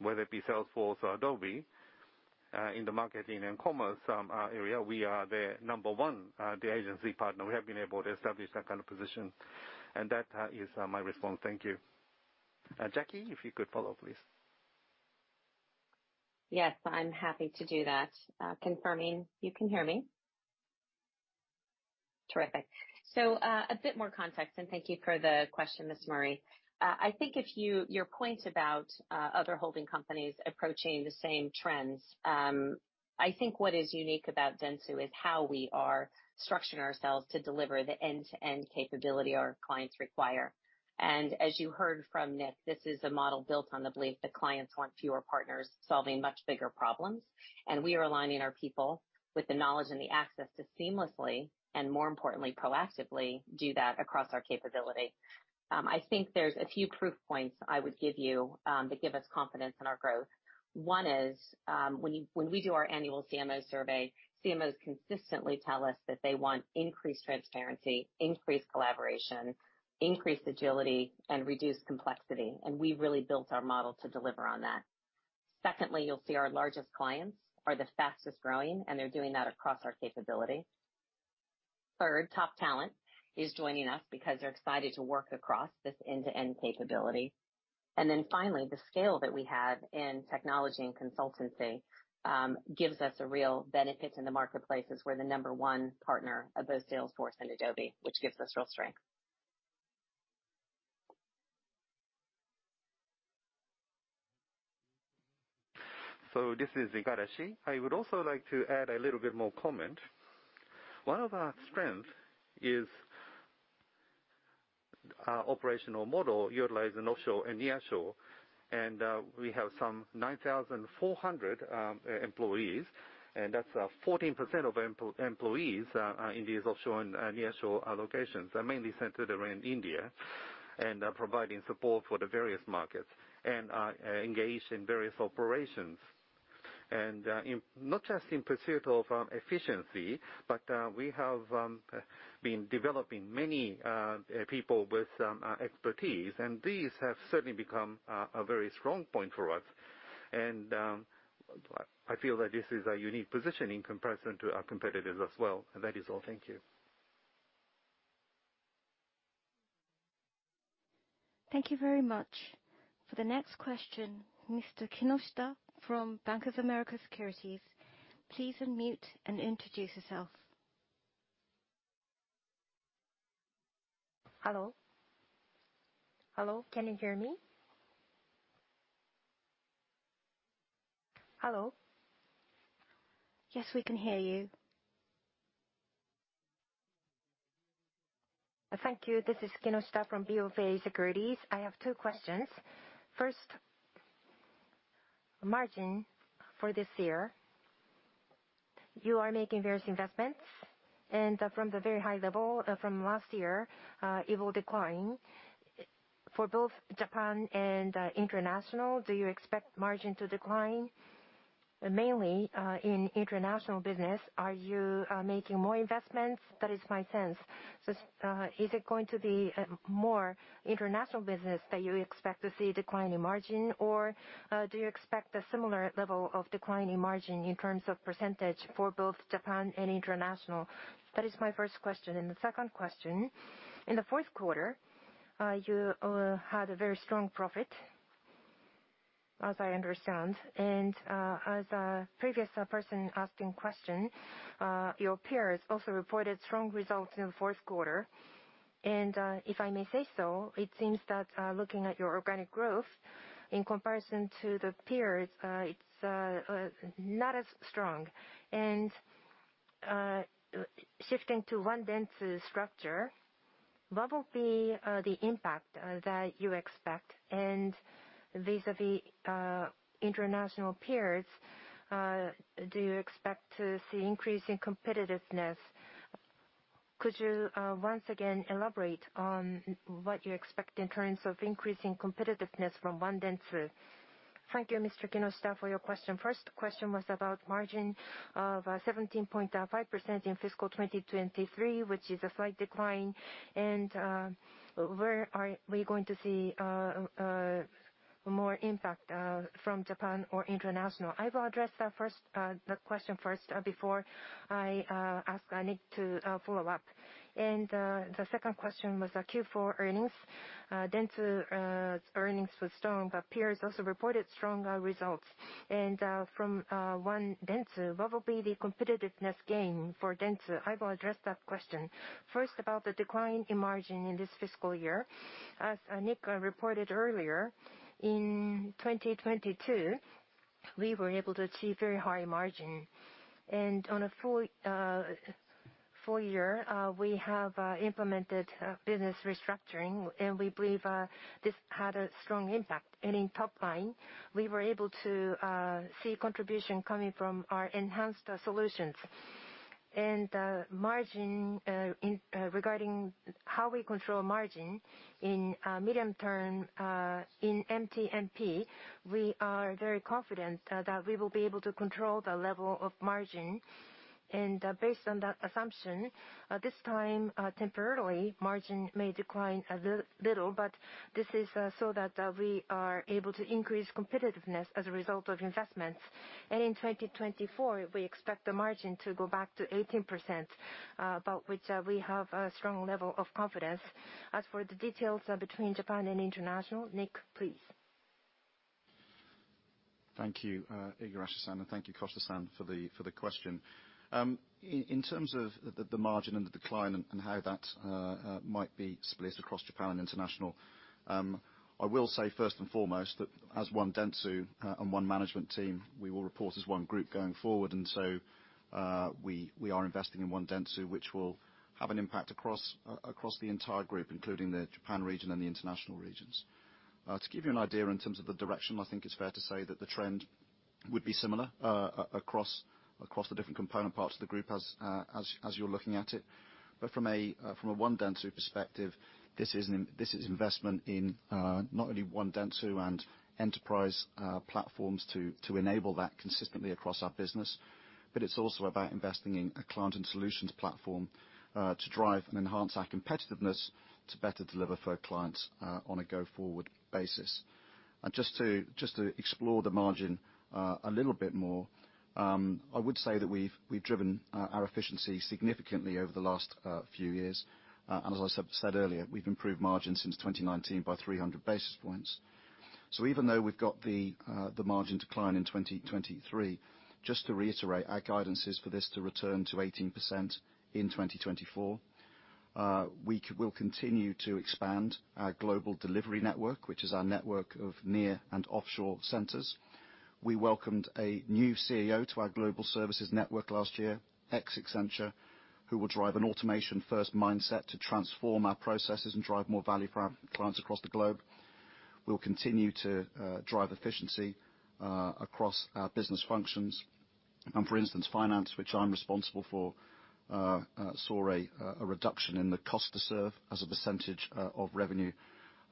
whether it be Salesforce or Adobe, in the marketing and commerce area, we are the number one agency partner. We have been able to establish that kind of position, and that is my response. Thank you. Jacki, if you could follow, please. Yes, I'm happy to do that. Confirming you can hear me. Terrific. A bit more context, and thank you for the question, Ms. Mori. I think if your point about other holding companies approaching the same trends, I think what is unique about Dentsu is how we are structuring ourselves to deliver the end-to-end capability our clients require. As you heard from Nick, this is a model built on the belief that clients want fewer partners solving much bigger problems. We are aligning our people with the knowledge and the access to seamlessly, and more importantly, proactively do that across our capability. I think there's a few proof points I would give you that give us confidence in our growth. One is, when we do our annual CMO survey, CMOs consistently tell us that they want increased transparency, increased collaboration, increased agility, and reduced complexity, and we've really built our model to deliver on that. Secondly, you'll see our largest clients are the fastest growing, and they're doing that across our capability. Third, top talent is joining us because they're excited to work across this end-to-end capability. Finally, the scale that we have in technology and consultancy, gives us a real benefit in the marketplace as we're the number 1 partner of both Salesforce and Adobe, which gives us real strength. This is Igarashi. I would also like to add a little bit more comment. One of our strength is our operational model utilizing offshore and nearshore, we have some 9,400 employees, that's 14% of employees in these offshore and nearshore allocations, are mainly centered around India and are providing support for the various markets and are engaged in various operations. Not just in pursuit of efficiency, but we have been developing many people with expertise, and these have certainly become a very strong point for us. I feel that this is a unique position in comparison to our competitors as well. That is all. Thank you. Thank you very much. For the next question, Mr. Kinoshita from Bank of America Securities, please unmute and introduce yourself. Hello? Hello? Can you hear me? Hello? Yes, we can hear you. Thank you. This is Kinoshita from BofA Securities. I have two questions. First, margin for this year. You are making various investments, from the very high level from last year, it will decline. For both Japan and international, do you expect margin to decline? Mainly, in international business, are you making more investments? That is my sense. Is it going to be more international business that you expect to see decline in margin? Do you expect a similar level of decline in margin in terms of percent for both Japan and international? That is my first question. The second question, in the fourth quarter, you had a very strong profit, as I understand. As a previous person asking question, your peers also reported strong results in the fourth quarter. If I may say so, it seems that, looking at your organic growth in comparison to the peers, it's not as strong. Shifting to One Dentsu structure, what will be the impact that you expect? Vis-à-vis international peers, do you expect to see increase in competitiveness? Could you once again elaborate on what you expect in terms of increasing competitiveness from One Dentsu? Thank you, Mr. Kinoshita for your question. First question was about margin of 17.5% in fiscal 2023, which is a slight decline. Where are we going to see more impact from Japan or international. I will address the first question first, before I ask. I need to follow up. The second question was Q4 earnings. Dentsu earnings was strong, peers also reported stronger results. From One Dentsu, what will be the competitiveness gain for Dentsu? I will address that question. First, about the decline in margin in this fiscal year. As Nick reported earlier, in 2022 we were able to achieve very high margin. On a full year, we have implemented a business restructuring, and we believe this had a strong impact. In top line, we were able to see contribution coming from our enhanced solutions. Margin, regarding how we control margin in medium term, in MTMP, we are very confident that we will be able to control the level of margin. Based on that assumption, at this time, temporarily, margin may decline a little, but this is so that we are able to increase competitiveness as a result of investments. In 2024, we expect the margin to go back to 18%, about which we have a strong level of confidence. As for the details, between Japan and international, Nick, please. Thank you, Igarashi-san, and thank you, Kinoshita-san, for the question. In terms of the margin and the decline and how that might be split across Japan and international, I will say first and foremost that as One Dentsu, and one management team, we will report as one group going forward. We are investing in One Dentsu, which will have an impact across the entire group, including the Japan region and the international regions. To give you an idea in terms of the direction, I think it's fair to say that the trend would be similar across the different component parts of the group as you're looking at it. From a One Dentsu perspective, this is investment in not only One Dentsu and enterprise platforms to enable that consistently across our business, but it's also about investing in a client and solutions platform to drive and enhance our competitiveness to better deliver for our clients on a go-forward basis. Just to explore the margin a little bit more, I would say that we've driven our efficiency significantly over the last few years. As I said earlier, we've improved margin since 2019 by 300 basis points. Even though we've got the margin decline in 2023, just to reiterate, our guidance is for this to return to 18% in 2024. We will continue to expand our global delivery network, which is our network of near and offshore centers. We welcomed a new CEO to our global services network last year, ex-Accenture, who will drive an automation-first mindset to transform our processes and drive more value for our clients across the globe. We'll continue to drive efficiency across our business functions. For instance, finance, which I'm responsible for, saw a reduction in the cost to serve as a percentage of revenue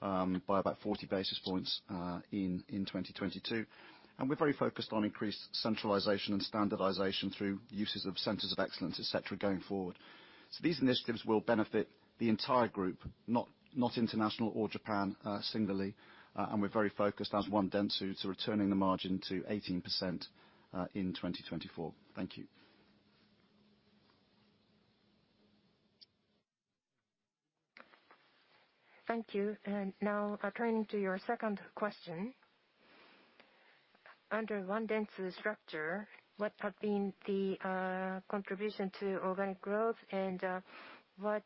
by about 40 basis points in 2022. We're very focused on increased centralization and standardization through uses of centers of excellence, et cetera, going forward. These initiatives will benefit the entire group, not international or Japan, singularly. We're very focused as One Dentsu to returning the margin to 18% in 2024. Thank you. Thank you. Now turning to your second question. Under One Dentsu structure, what have been the contribution to organic growth and what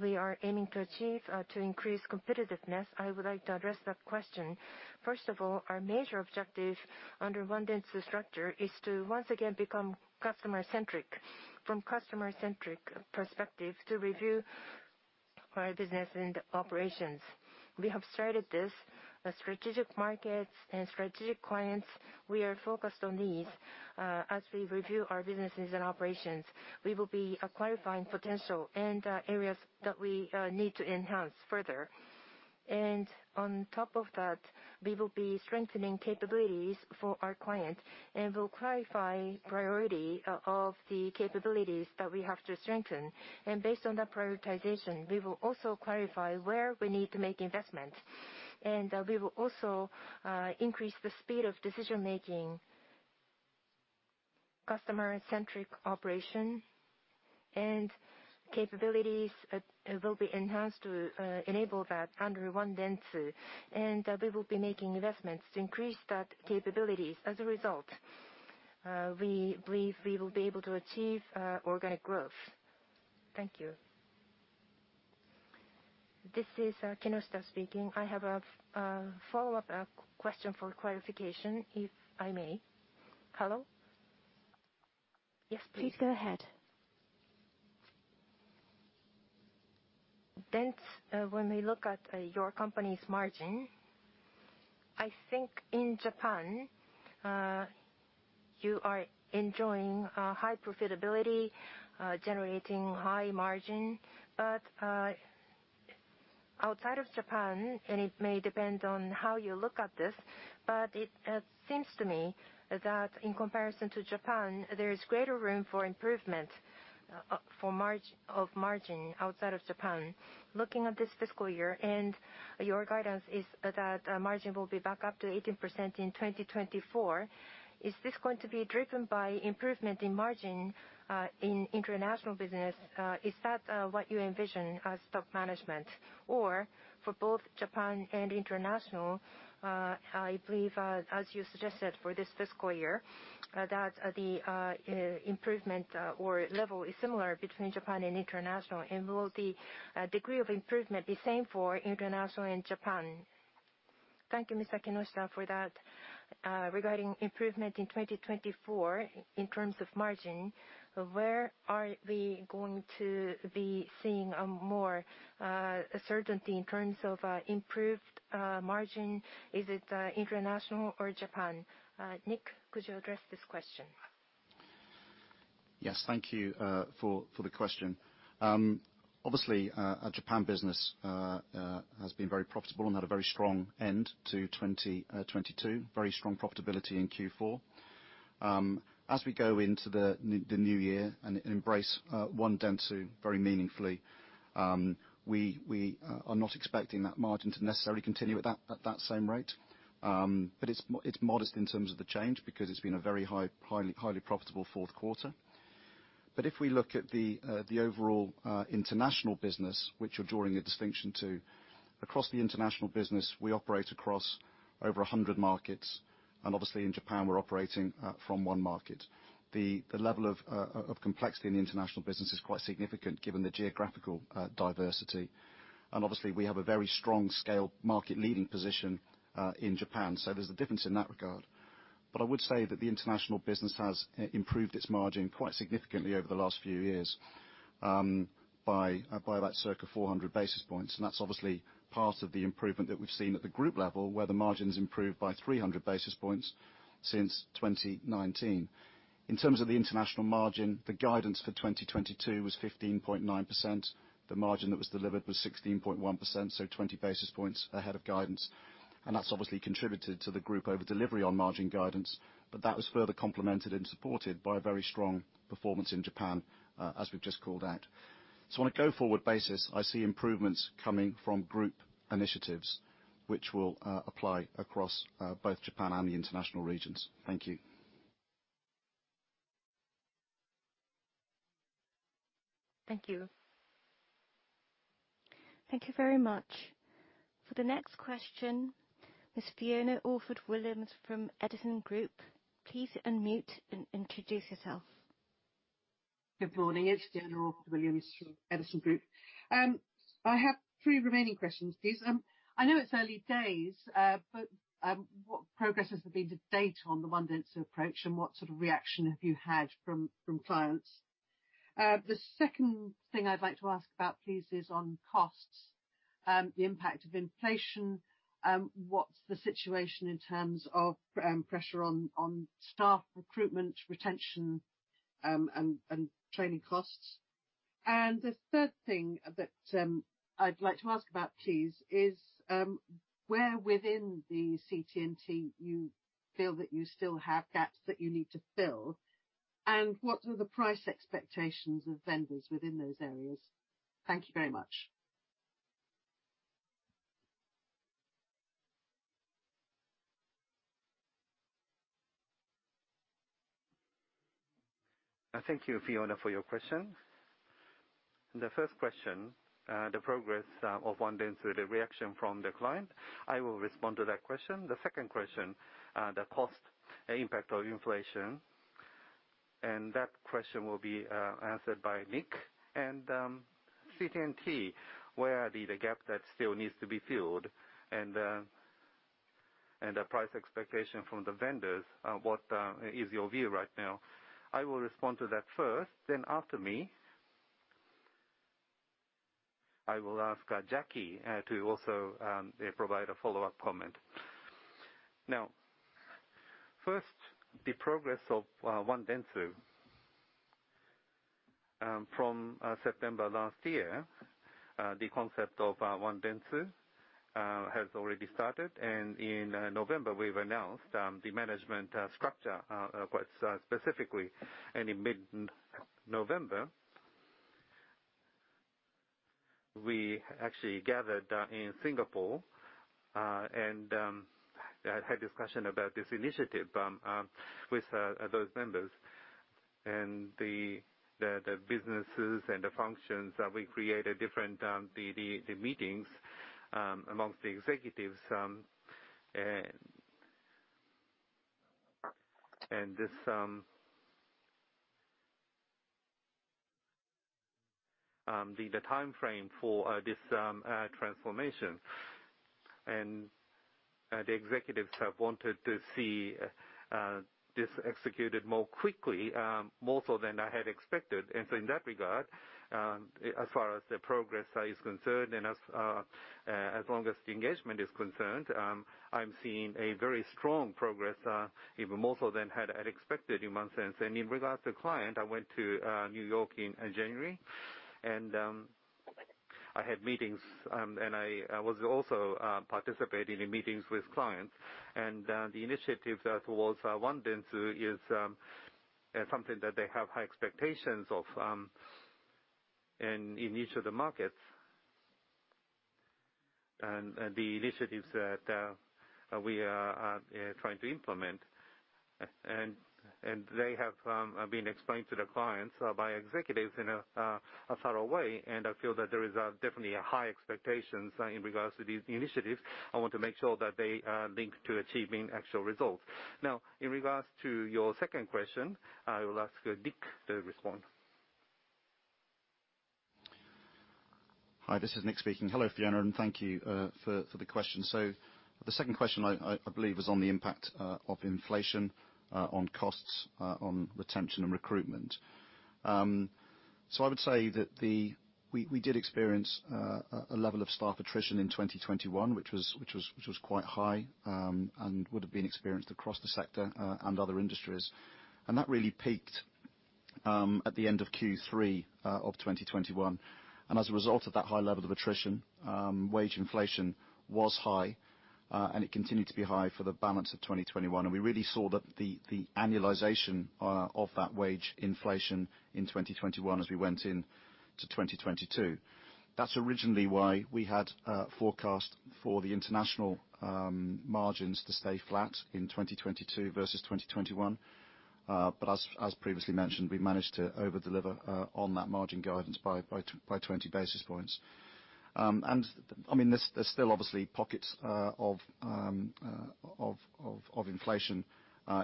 we are aiming to achieve to increase competitiveness? I would like to address that question. First of all, our major objective under One Dentsu structure is to once again become customer-centric. From customer-centric perspective to review our business and operations. We have started this. The strategic markets and strategic clients, we are focused on these. As we review our businesses and operations, we will be clarifying potential and areas that we need to enhance further. On top of that, we will be strengthening capabilities for our client and will clarify priority of the capabilities that we have to strengthen. Based on that prioritization, we will also clarify where we need to make investment. We will also, increase the speed of decision-making. Customer-centric operation and capabilities, will be enhanced to, enable that under One Dentsu. We will be making investments to increase that capabilities as a result. We believe we will be able to achieve, organic growth. Thank you. This is, Kinoshita speaking. I have a, follow-up, question for clarification, if I may. Hello? Yes, please. Please go ahead. Dentsu, when we look at, your company's margin, I think in Japan, you are enjoying, high profitability, generating high margin. Outside of Japan, and it may depend on how you look at this. It seems to me that in comparison to Japan, there is greater room for improvement, for margin, of margin outside of Japan. Looking at this fiscal year, your guidance is that margin will be back up to 18% in 2024. Is this going to be driven by improvement in margin in international business? Is that what you envision as top management? For both Japan and international, I believe, as you suggested for this fiscal year, that the improvement or level is similar between Japan and international. Will the degree of improvement be same for international and Japan? Thank you, Miss Kinoshita, for that. Regarding improvement in 2024 in terms of margin, where are we going to be seeing more certainty in terms of improved margin? Is it international or Japan? Nick, could you address this question? Yes. Thank you for the question. Obviously, our Japan business has been very profitable and had a very strong end to 2022. Very strong profitability in Q4. As we go into the new year and embrace One Dentsu very meaningfully, we are not expecting that margin to necessarily continue at that same rate. But it's modest in terms of the change because it's been a very high, highly profitable fourth quarter. If we look at the overall international business, which you're drawing a distinction to, across the international business, we operate across over 100 markets, and obviously in Japan, we're operating from one market. The level of complexity in the international business is quite significant given the geographical diversity. Obviously we have a very strong scale market leading position in Japan, so there's a difference in that regard. I would say that the international business has improved its margin quite significantly over the last few years, by about circa 400 basis points. That's obviously part of the improvement that we've seen at the group level, where the margin's improved by 300 basis points since 2019. In terms of the international margin, the guidance for 2022 was 15.9%. The margin that was delivered was 16.1%, so 20 basis points ahead of guidance. That's obviously contributed to the group over delivery on margin guidance, but that was further complemented and supported by a very strong performance in Japan, as we've just called out. On a go-forward basis, I see improvements coming from group initiatives which will apply across both Japan and the international regions. Thank you. Thank you. Thank you very much. For the next question, Miss Fiona Orford-Williams from Edison Group, please unmute and introduce yourself. Good morning. It's Fiona Orford-Williams from Edison Group. I have three remaining questions, please. I know it's early days, what progress has there been to date on the One Dentsu approach, and what sort of reaction have you had from clients? The second thing I'd like to ask about, please, is on costs, the impact of inflation, what's the situation in terms of pressure on staff recruitment, retention, and training costs? The third thing that I'd like to ask about, please, is where within the CT&T you feel that you still have gaps that you need to fill, and what are the price expectations of vendors within those areas? Thank you very much. Thank you, Fiona, for your question. The first question, the progress of One Dentsu, the reaction from the client, I will respond to that question. The second question, the cost impact of inflation, that question will be answered by Nick. CT&T, where are the gap that still needs to be filled and the price expectation from the vendors, what is your view right now? I will respond to that first, then after me, I will ask Jacki to also provide a follow-up comment. First, the progress of One Dentsu. From September last year, the concept of One Dentsu has already started, and in November, we've announced the management structure quite specifically. In mid-November, we actually gathered in Singapore, and had discussion about this initiative with those members and the businesses and the functions that we created different the meetings amongst the executives. This the timeframe for this transformation and the executives have wanted to see this executed more quickly, more so than I had expected. In that regard, as far as the progress is concerned and as long as the engagement is concerned, I'm seeing a very strong progress, even more so than had, I'd expected in one sense. In regards to client, I went to New York in January. I had meetings, and I was also participating in meetings with clients. The initiative that was One Dentsu is something that they have high expectations of in each of the markets. The initiatives that we are trying to implement. They have been explained to the clients by executives in a thorough way. I feel that there is definitely a high expectations in regards to these initiatives. I want to make sure that they are linked to achieving actual results. Now, in regards to your second question, I will ask Nick to respond. Hi, this is Nick speaking. Hello, Fiona, and thank you for the question. The second question I believe is on the impact of inflation on costs on retention and recruitment. I would say that We did experience a level of staff attrition in 2021, which was quite high, and would have been experienced across the sector and other industries. That really peaked at the end of Q3 of 2021. As a result of that high level of attrition, wage inflation was high, and it continued to be high for the balance of 2021. We really saw that the annualization of that wage inflation in 2021 as we went in to 2022. why we had forecast for the international margins to stay flat in 2022 versus 2021. But as previously mentioned, we managed to over-deliver on that margin guidance by 20 basis points. And I mean, there's still obviously pockets of inflation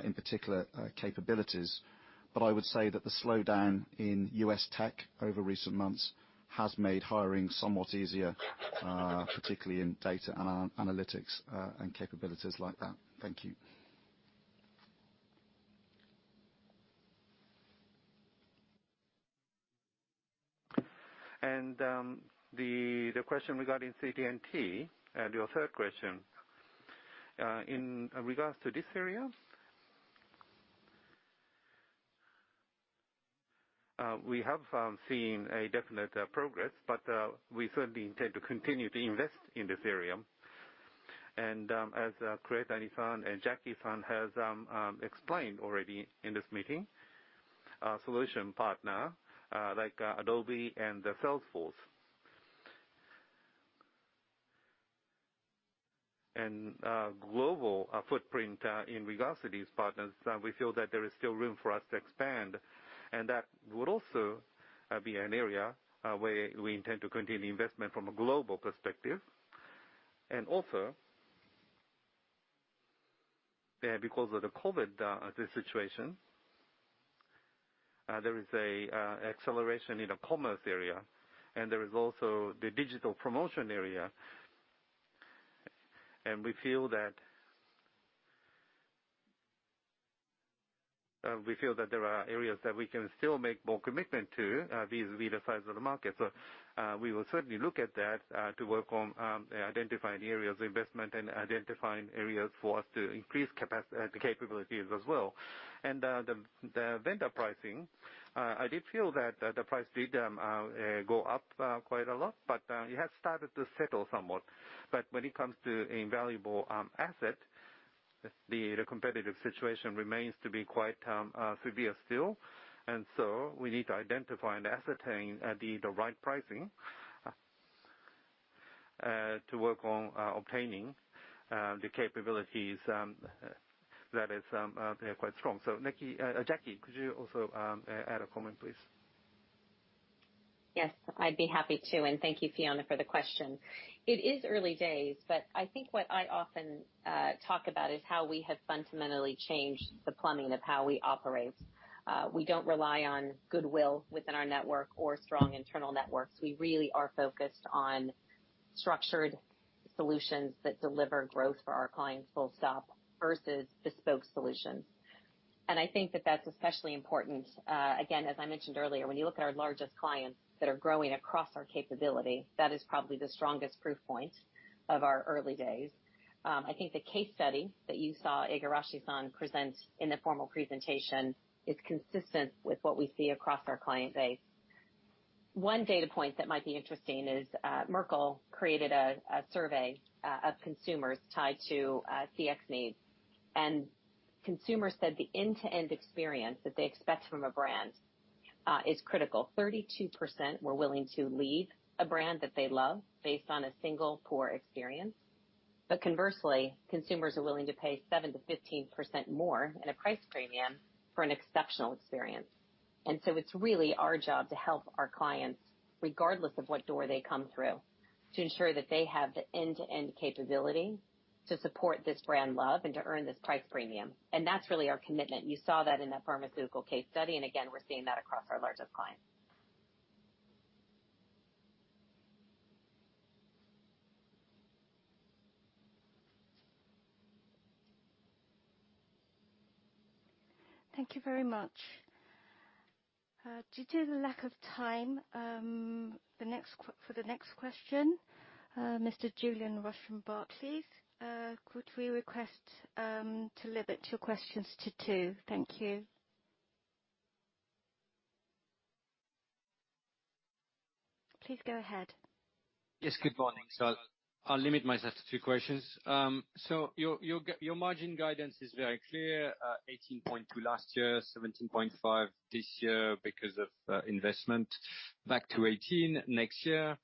in particular capabilities. But I would say that the slowdown in U.S. tech over recent months has made hiring somewhat easier, particularly in data analytics and capabilities like that. Thank you The question regarding CT&T and your third question. In regards to this area, we have seen a definite progress, but we certainly intend to continue to invest in this area. As Craig-san and Jacki-san has explained already in this meeting, solution partner, like Adobe and Salesforce. Global footprint, in regards to these partners, we feel that there is still room for us to expand, and that would also be an area where we intend to continue investment from a global perspective. Also, because of the COVID situation, there is a acceleration in the commerce area, and there is also the digital promotion area. We feel that there are areas that we can still make more commitment to these sides of the market. We will certainly look at that to work on identifying areas of investment and identifying areas for us to increase capabilities as well. The vendor pricing, I did feel that the price did go up quite a lot, but it has started to settle somewhat. When it comes to invaluable asset, the competitive situation remains to be quite severe still. We need to identify and ascertain the right pricing to work on obtaining the capabilities that is quite strong. Jacki, could you also add a comment, please? Yes, I'd be happy to. Thank you, Fiona, for the question. It is early days, but I think what I often talk about is how we have fundamentally changed the plumbing of how we operate. We don't rely on goodwill within our network or strong internal networks. We really are focused on structured solutions that deliver growth for our clients, full stop, versus bespoke solutions. I think that that's especially important. Again, as I mentioned earlier, when you look at our largest clients that are growing across our capability, that is probably the strongest proof point of our early days. I think the case study that you saw Igarashi-san present in the formal presentation is consistent with what we see across our client base. One data point that might be interesting is Merkle created a survey of consumers tied to CX needs. Consumers said the end-to-end experience that they expect from a brand is critical. 32% were willing to leave a brand that they love based on a single poor experience. Conversely, consumers are willing to pay 7%-15% more in a price premium for an exceptional experience. It's really our job to help our clients, regardless of what door they come through, to ensure that they have the end-to-end capability to support this brand love and to earn this price premium. That's really our commitment. You saw that in the pharmaceutical case study. Again, we're seeing that across our largest clients. Thank you very much. Due to the lack of time, for the next question, Mr. Julien Roch from Barclays, could we request to limit your questions to two? Thank you. Please go ahead. Yes, good morning. I'll limit myself to two questions. Your margin guidance is very clear, 18.2% last year, 17.5% this year because of investment. Back to 18% next year.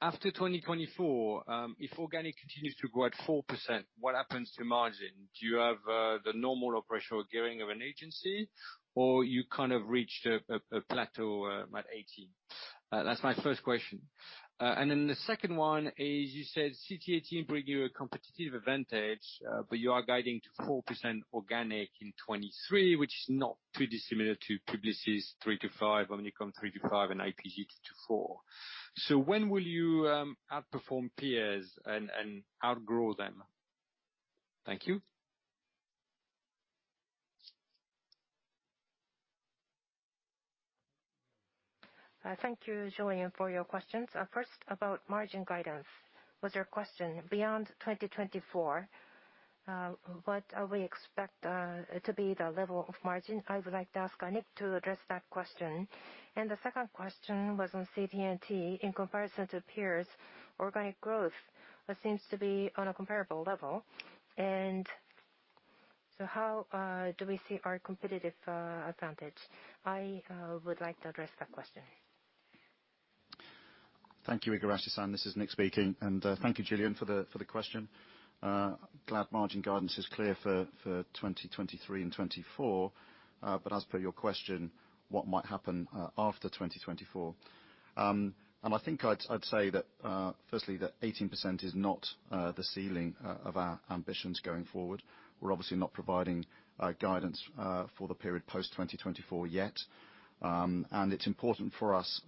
After 2024, if organic continues to grow at 4%, what happens to margin? Do you have the normal operational gearing of an agency or you kind of reached a plateau at 18%? That's my first question. The second one is, you said CT&T bring you a competitive advantage, but you are guiding to 4% organic in 2023, which is not pretty similar to Publicis 3%-5%, Omnicom 3%-5%, and IPG 2%-4%. When will you outperform peers and outgrow them? Thank you. Thank you, Julien, for your questions. First, about margin guidance was your question. Beyond 2024, what we expect to be the level of margin, I would like to ask Nick to address that question. The second question was on CT&T. In comparison to peers, organic growth seems to be on a comparable level. How do we see our competitive advantage? I would like to address that question. Thank you, Igarashi-san. This is Nick speaking. Thank you, Julien, for the question. Glad margin guidance is clear for 2023 and 2024. As per your question, what might happen after 2024. I think I'd say that firstly, that 18% is not the ceiling of our ambitions going forward. We're obviously not providing guidance for the period post 2024 yet. It's important for us,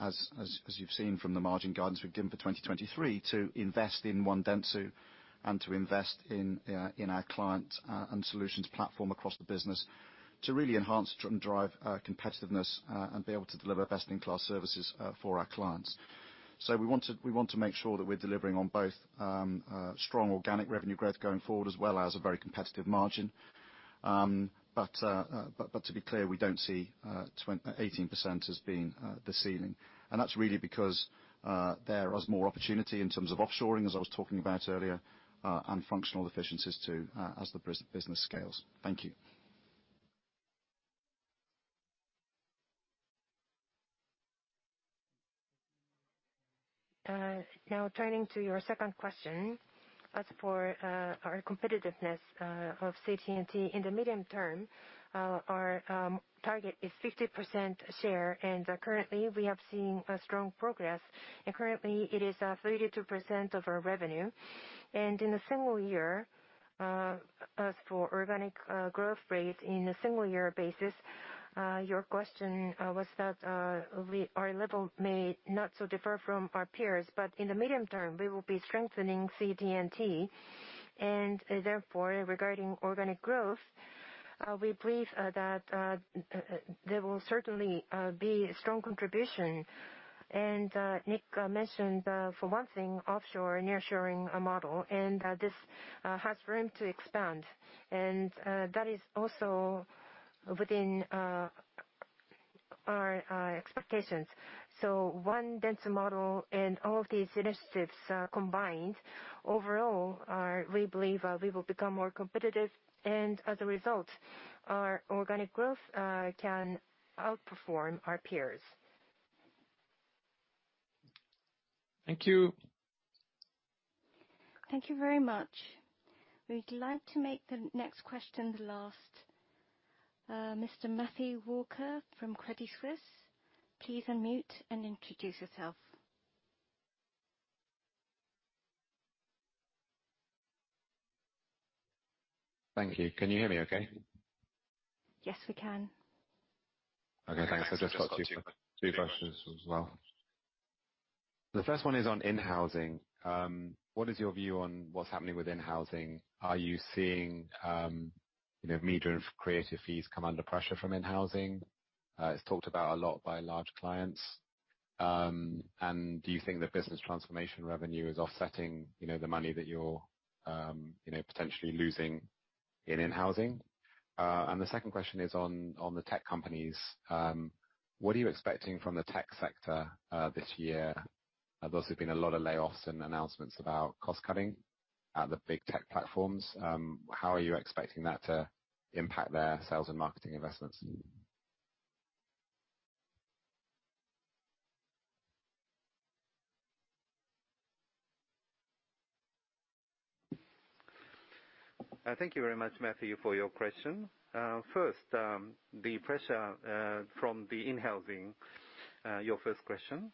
as you've seen from the margin guidance we've given for 2023, to invest in One Dentsu and to invest in our client and solutions platform across the business to really enhance and drive competitiveness and be able to deliver best-in-class services for our clients. We want to make sure that we're delivering on both strong organic revenue growth going forward, as well as a very competitive margin. But to be clear, we don't see 18% as being the ceiling. That's really because there is more opportunity in terms of offshoring, as I was talking about earlier, and functional efficiencies too, as the business scales. Thank you. Now turning to your second question. As for our competitiveness of CT&T in the medium term, our target is 50% share, and currently, we have seen strong progress. Currently, it is 32% of our revenue. In a single year, as for organic growth rate in a single year basis, your question was that our level may not so differ from our peers. In the medium term, we will be strengthening CT&T. Therefore, regarding organic growth, we believe that there will certainly be strong contribution. Nick mentioned for one thing, offshore nearshoring model, and this has room to expand. That is also within our expectations. One Dentsu model and all of these initiatives, combined, overall, we believe, we will become more competitive. As a result, our organic growth, can outperform our peers. Thank you. Thank you very much. We'd like to make the next question the last. Mr. Matthew Walker from Credit Suisse, please unmute and introduce yourself. Thank you. Can you hear me okay? Yes, we can. Okay, thanks. I've just got two questions as well. The first one is on in-housing. What is your view on what's happening with in-housing? Are you seeing, you know, media and creative fees come under pressure from in-housing? It's talked about a lot by large clients. Do you think the business transformation revenue is offsetting, you know, the money that you're, you know, potentially losing in in-housing? The second question is on the tech companies. What are you expecting from the tech sector this year? There's obviously been a lot of layoffs and announcements about cost cutting at the big tech platforms. How are you expecting that to impact their sales and marketing investments? Thank you very much, Matthew, for your question. First, the pressure from the in-housing, your first question.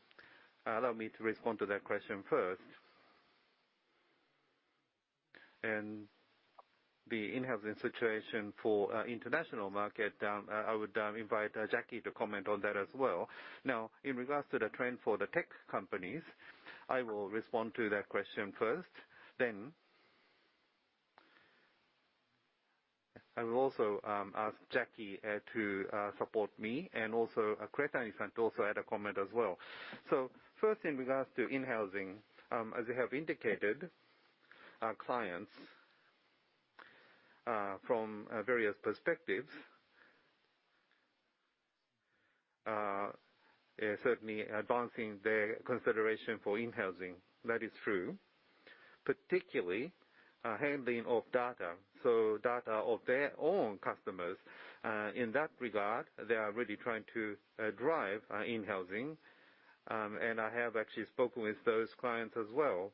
Allow me to respond to that question first. The in-housing situation for international market, I would invite Jacki to comment on that as well. In regards to the trend for the tech companies, I will respond to that question first, then I will also ask Jacki to support me and also Kuretani can also add a comment as well. First, in regards to in-housing, as you have indicated, our clients from various perspectives. Certainly advancing their consideration for in-housing. That is true, particularly, handling of data, so data of their own customers. In that regard, they are really trying to drive in-housing. I have actually spoken with those clients as well.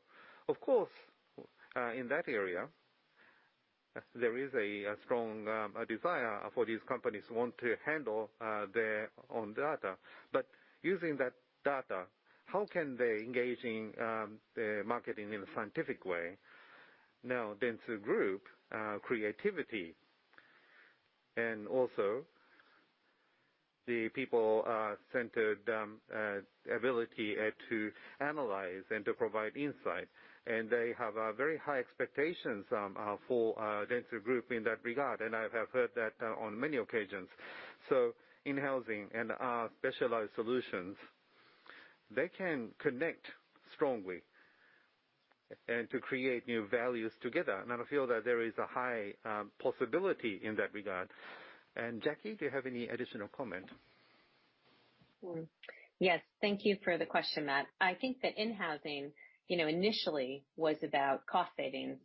Of course, in that area, there is a strong desire for these companies who want to handle their own data. Using that data, how can they engage in the marketing in a scientific way? Now, Dentsu Group creativity and also the people centered ability to analyze and to provide insight. They have very high expectations for Dentsu Group in that regard, and I have heard that on many occasions. In-housing and our specialized solutions, they can connect strongly and to create new values together. I feel that there is a high possibility in that regard. Jacki, do you have any additional comment? Yes. Thank you for the question, Matt. I think that in-housing, initially was about cost savings,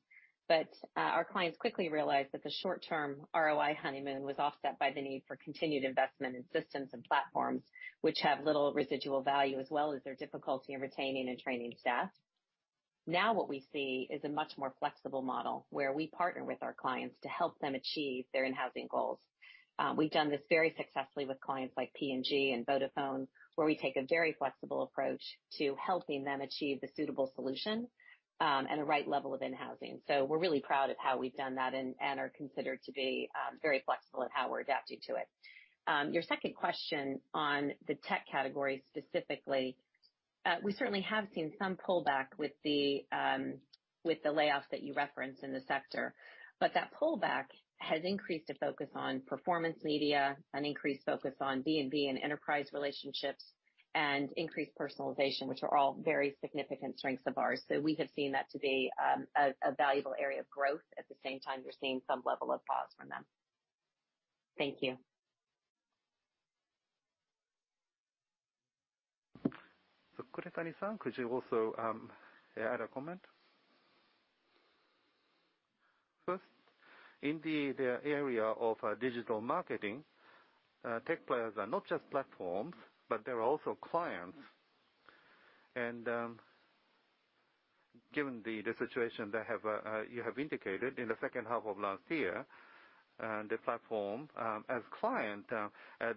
but our clients quickly realized that the short-term ROI honeymoon was offset by the need for continued investment in systems and platforms which have little residual value, as well as their difficulty in retaining and training staff. What we see is a much more flexible model, where we partner with our clients to help them achieve their in-housing goals. We've done this very successfully with clients like P&G and Vodafone, where we take a very flexible approach to helping them achieve the suitable solution, and the right level of in-housing. We're really proud of how we've done that and are considered to be very flexible in how we're adapting to it. Your second question on the tech category specifically. We certainly have seen some pullback with the layoffs that you referenced in the sector. That pullback has increased a focus on performance media, an increased focus on B2B and enterprise relationships, and increased personalization, which are all very significant strengths of ours. We have seen that to be a valuable area of growth. At the same time, we're seeing some level of pause from them. Thank you. Kuretani-san, could you also add a comment? First, in the area of digital marketing, tech players are not just platforms, but they're also clients. Given the situation that have you have indicated in the second half of last year, the platform as client,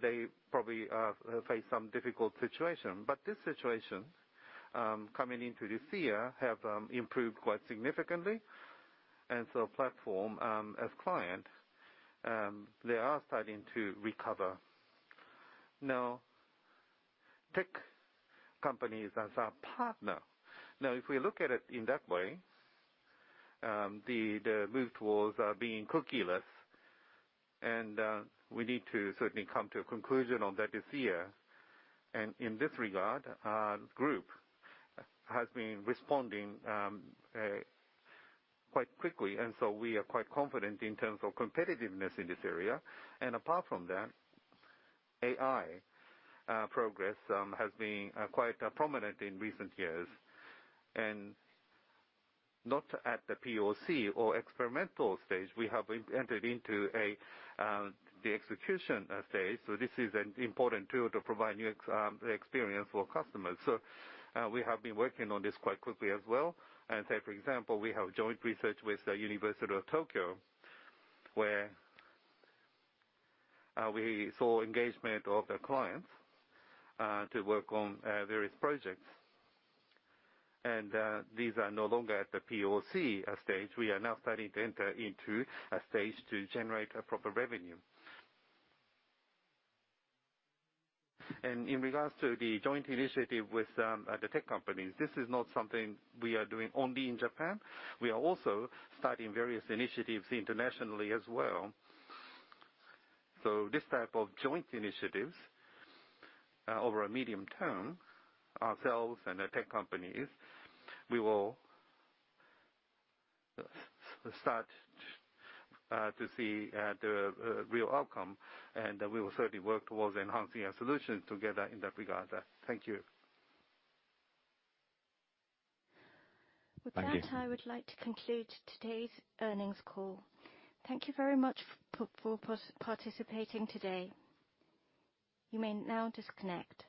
they probably face some difficult situation. This situation, coming into this year, have improved quite significantly. Platform as client, they are starting to recover. Now, tech companies as our partner. Now, if we look at it in that way, the move towards being cookieless, and we need to certainly come to a conclusion on that this year. In this regard, our group has been responding quite quickly. We are quite confident in terms of competitiveness in this area. Apart from that, AI progress has been quite prominent in recent years. Not at the POC or experimental stage, we have entered into the execution phase. This is an important tool to provide new experience for customers. We have been working on this quite quickly as well. Say, for example, we have joint research with the University of Tokyo, where we saw engagement of the clients to work on various projects. These are no longer at the POC stage. We are now starting to enter into a stage to generate a proper revenue. In regards to the joint initiative with the tech companies, this is not something we are doing only in Japan. We are also starting various initiatives internationally as well. This type of joint initiatives, over a medium term, ourselves and the tech companies, we will start to see the real outcome. We will certainly work towards enhancing our solutions together in that regard. Thank you. Thank you. With that, I would like to conclude today's earnings call. Thank you very much for participating today. You may now disconnect.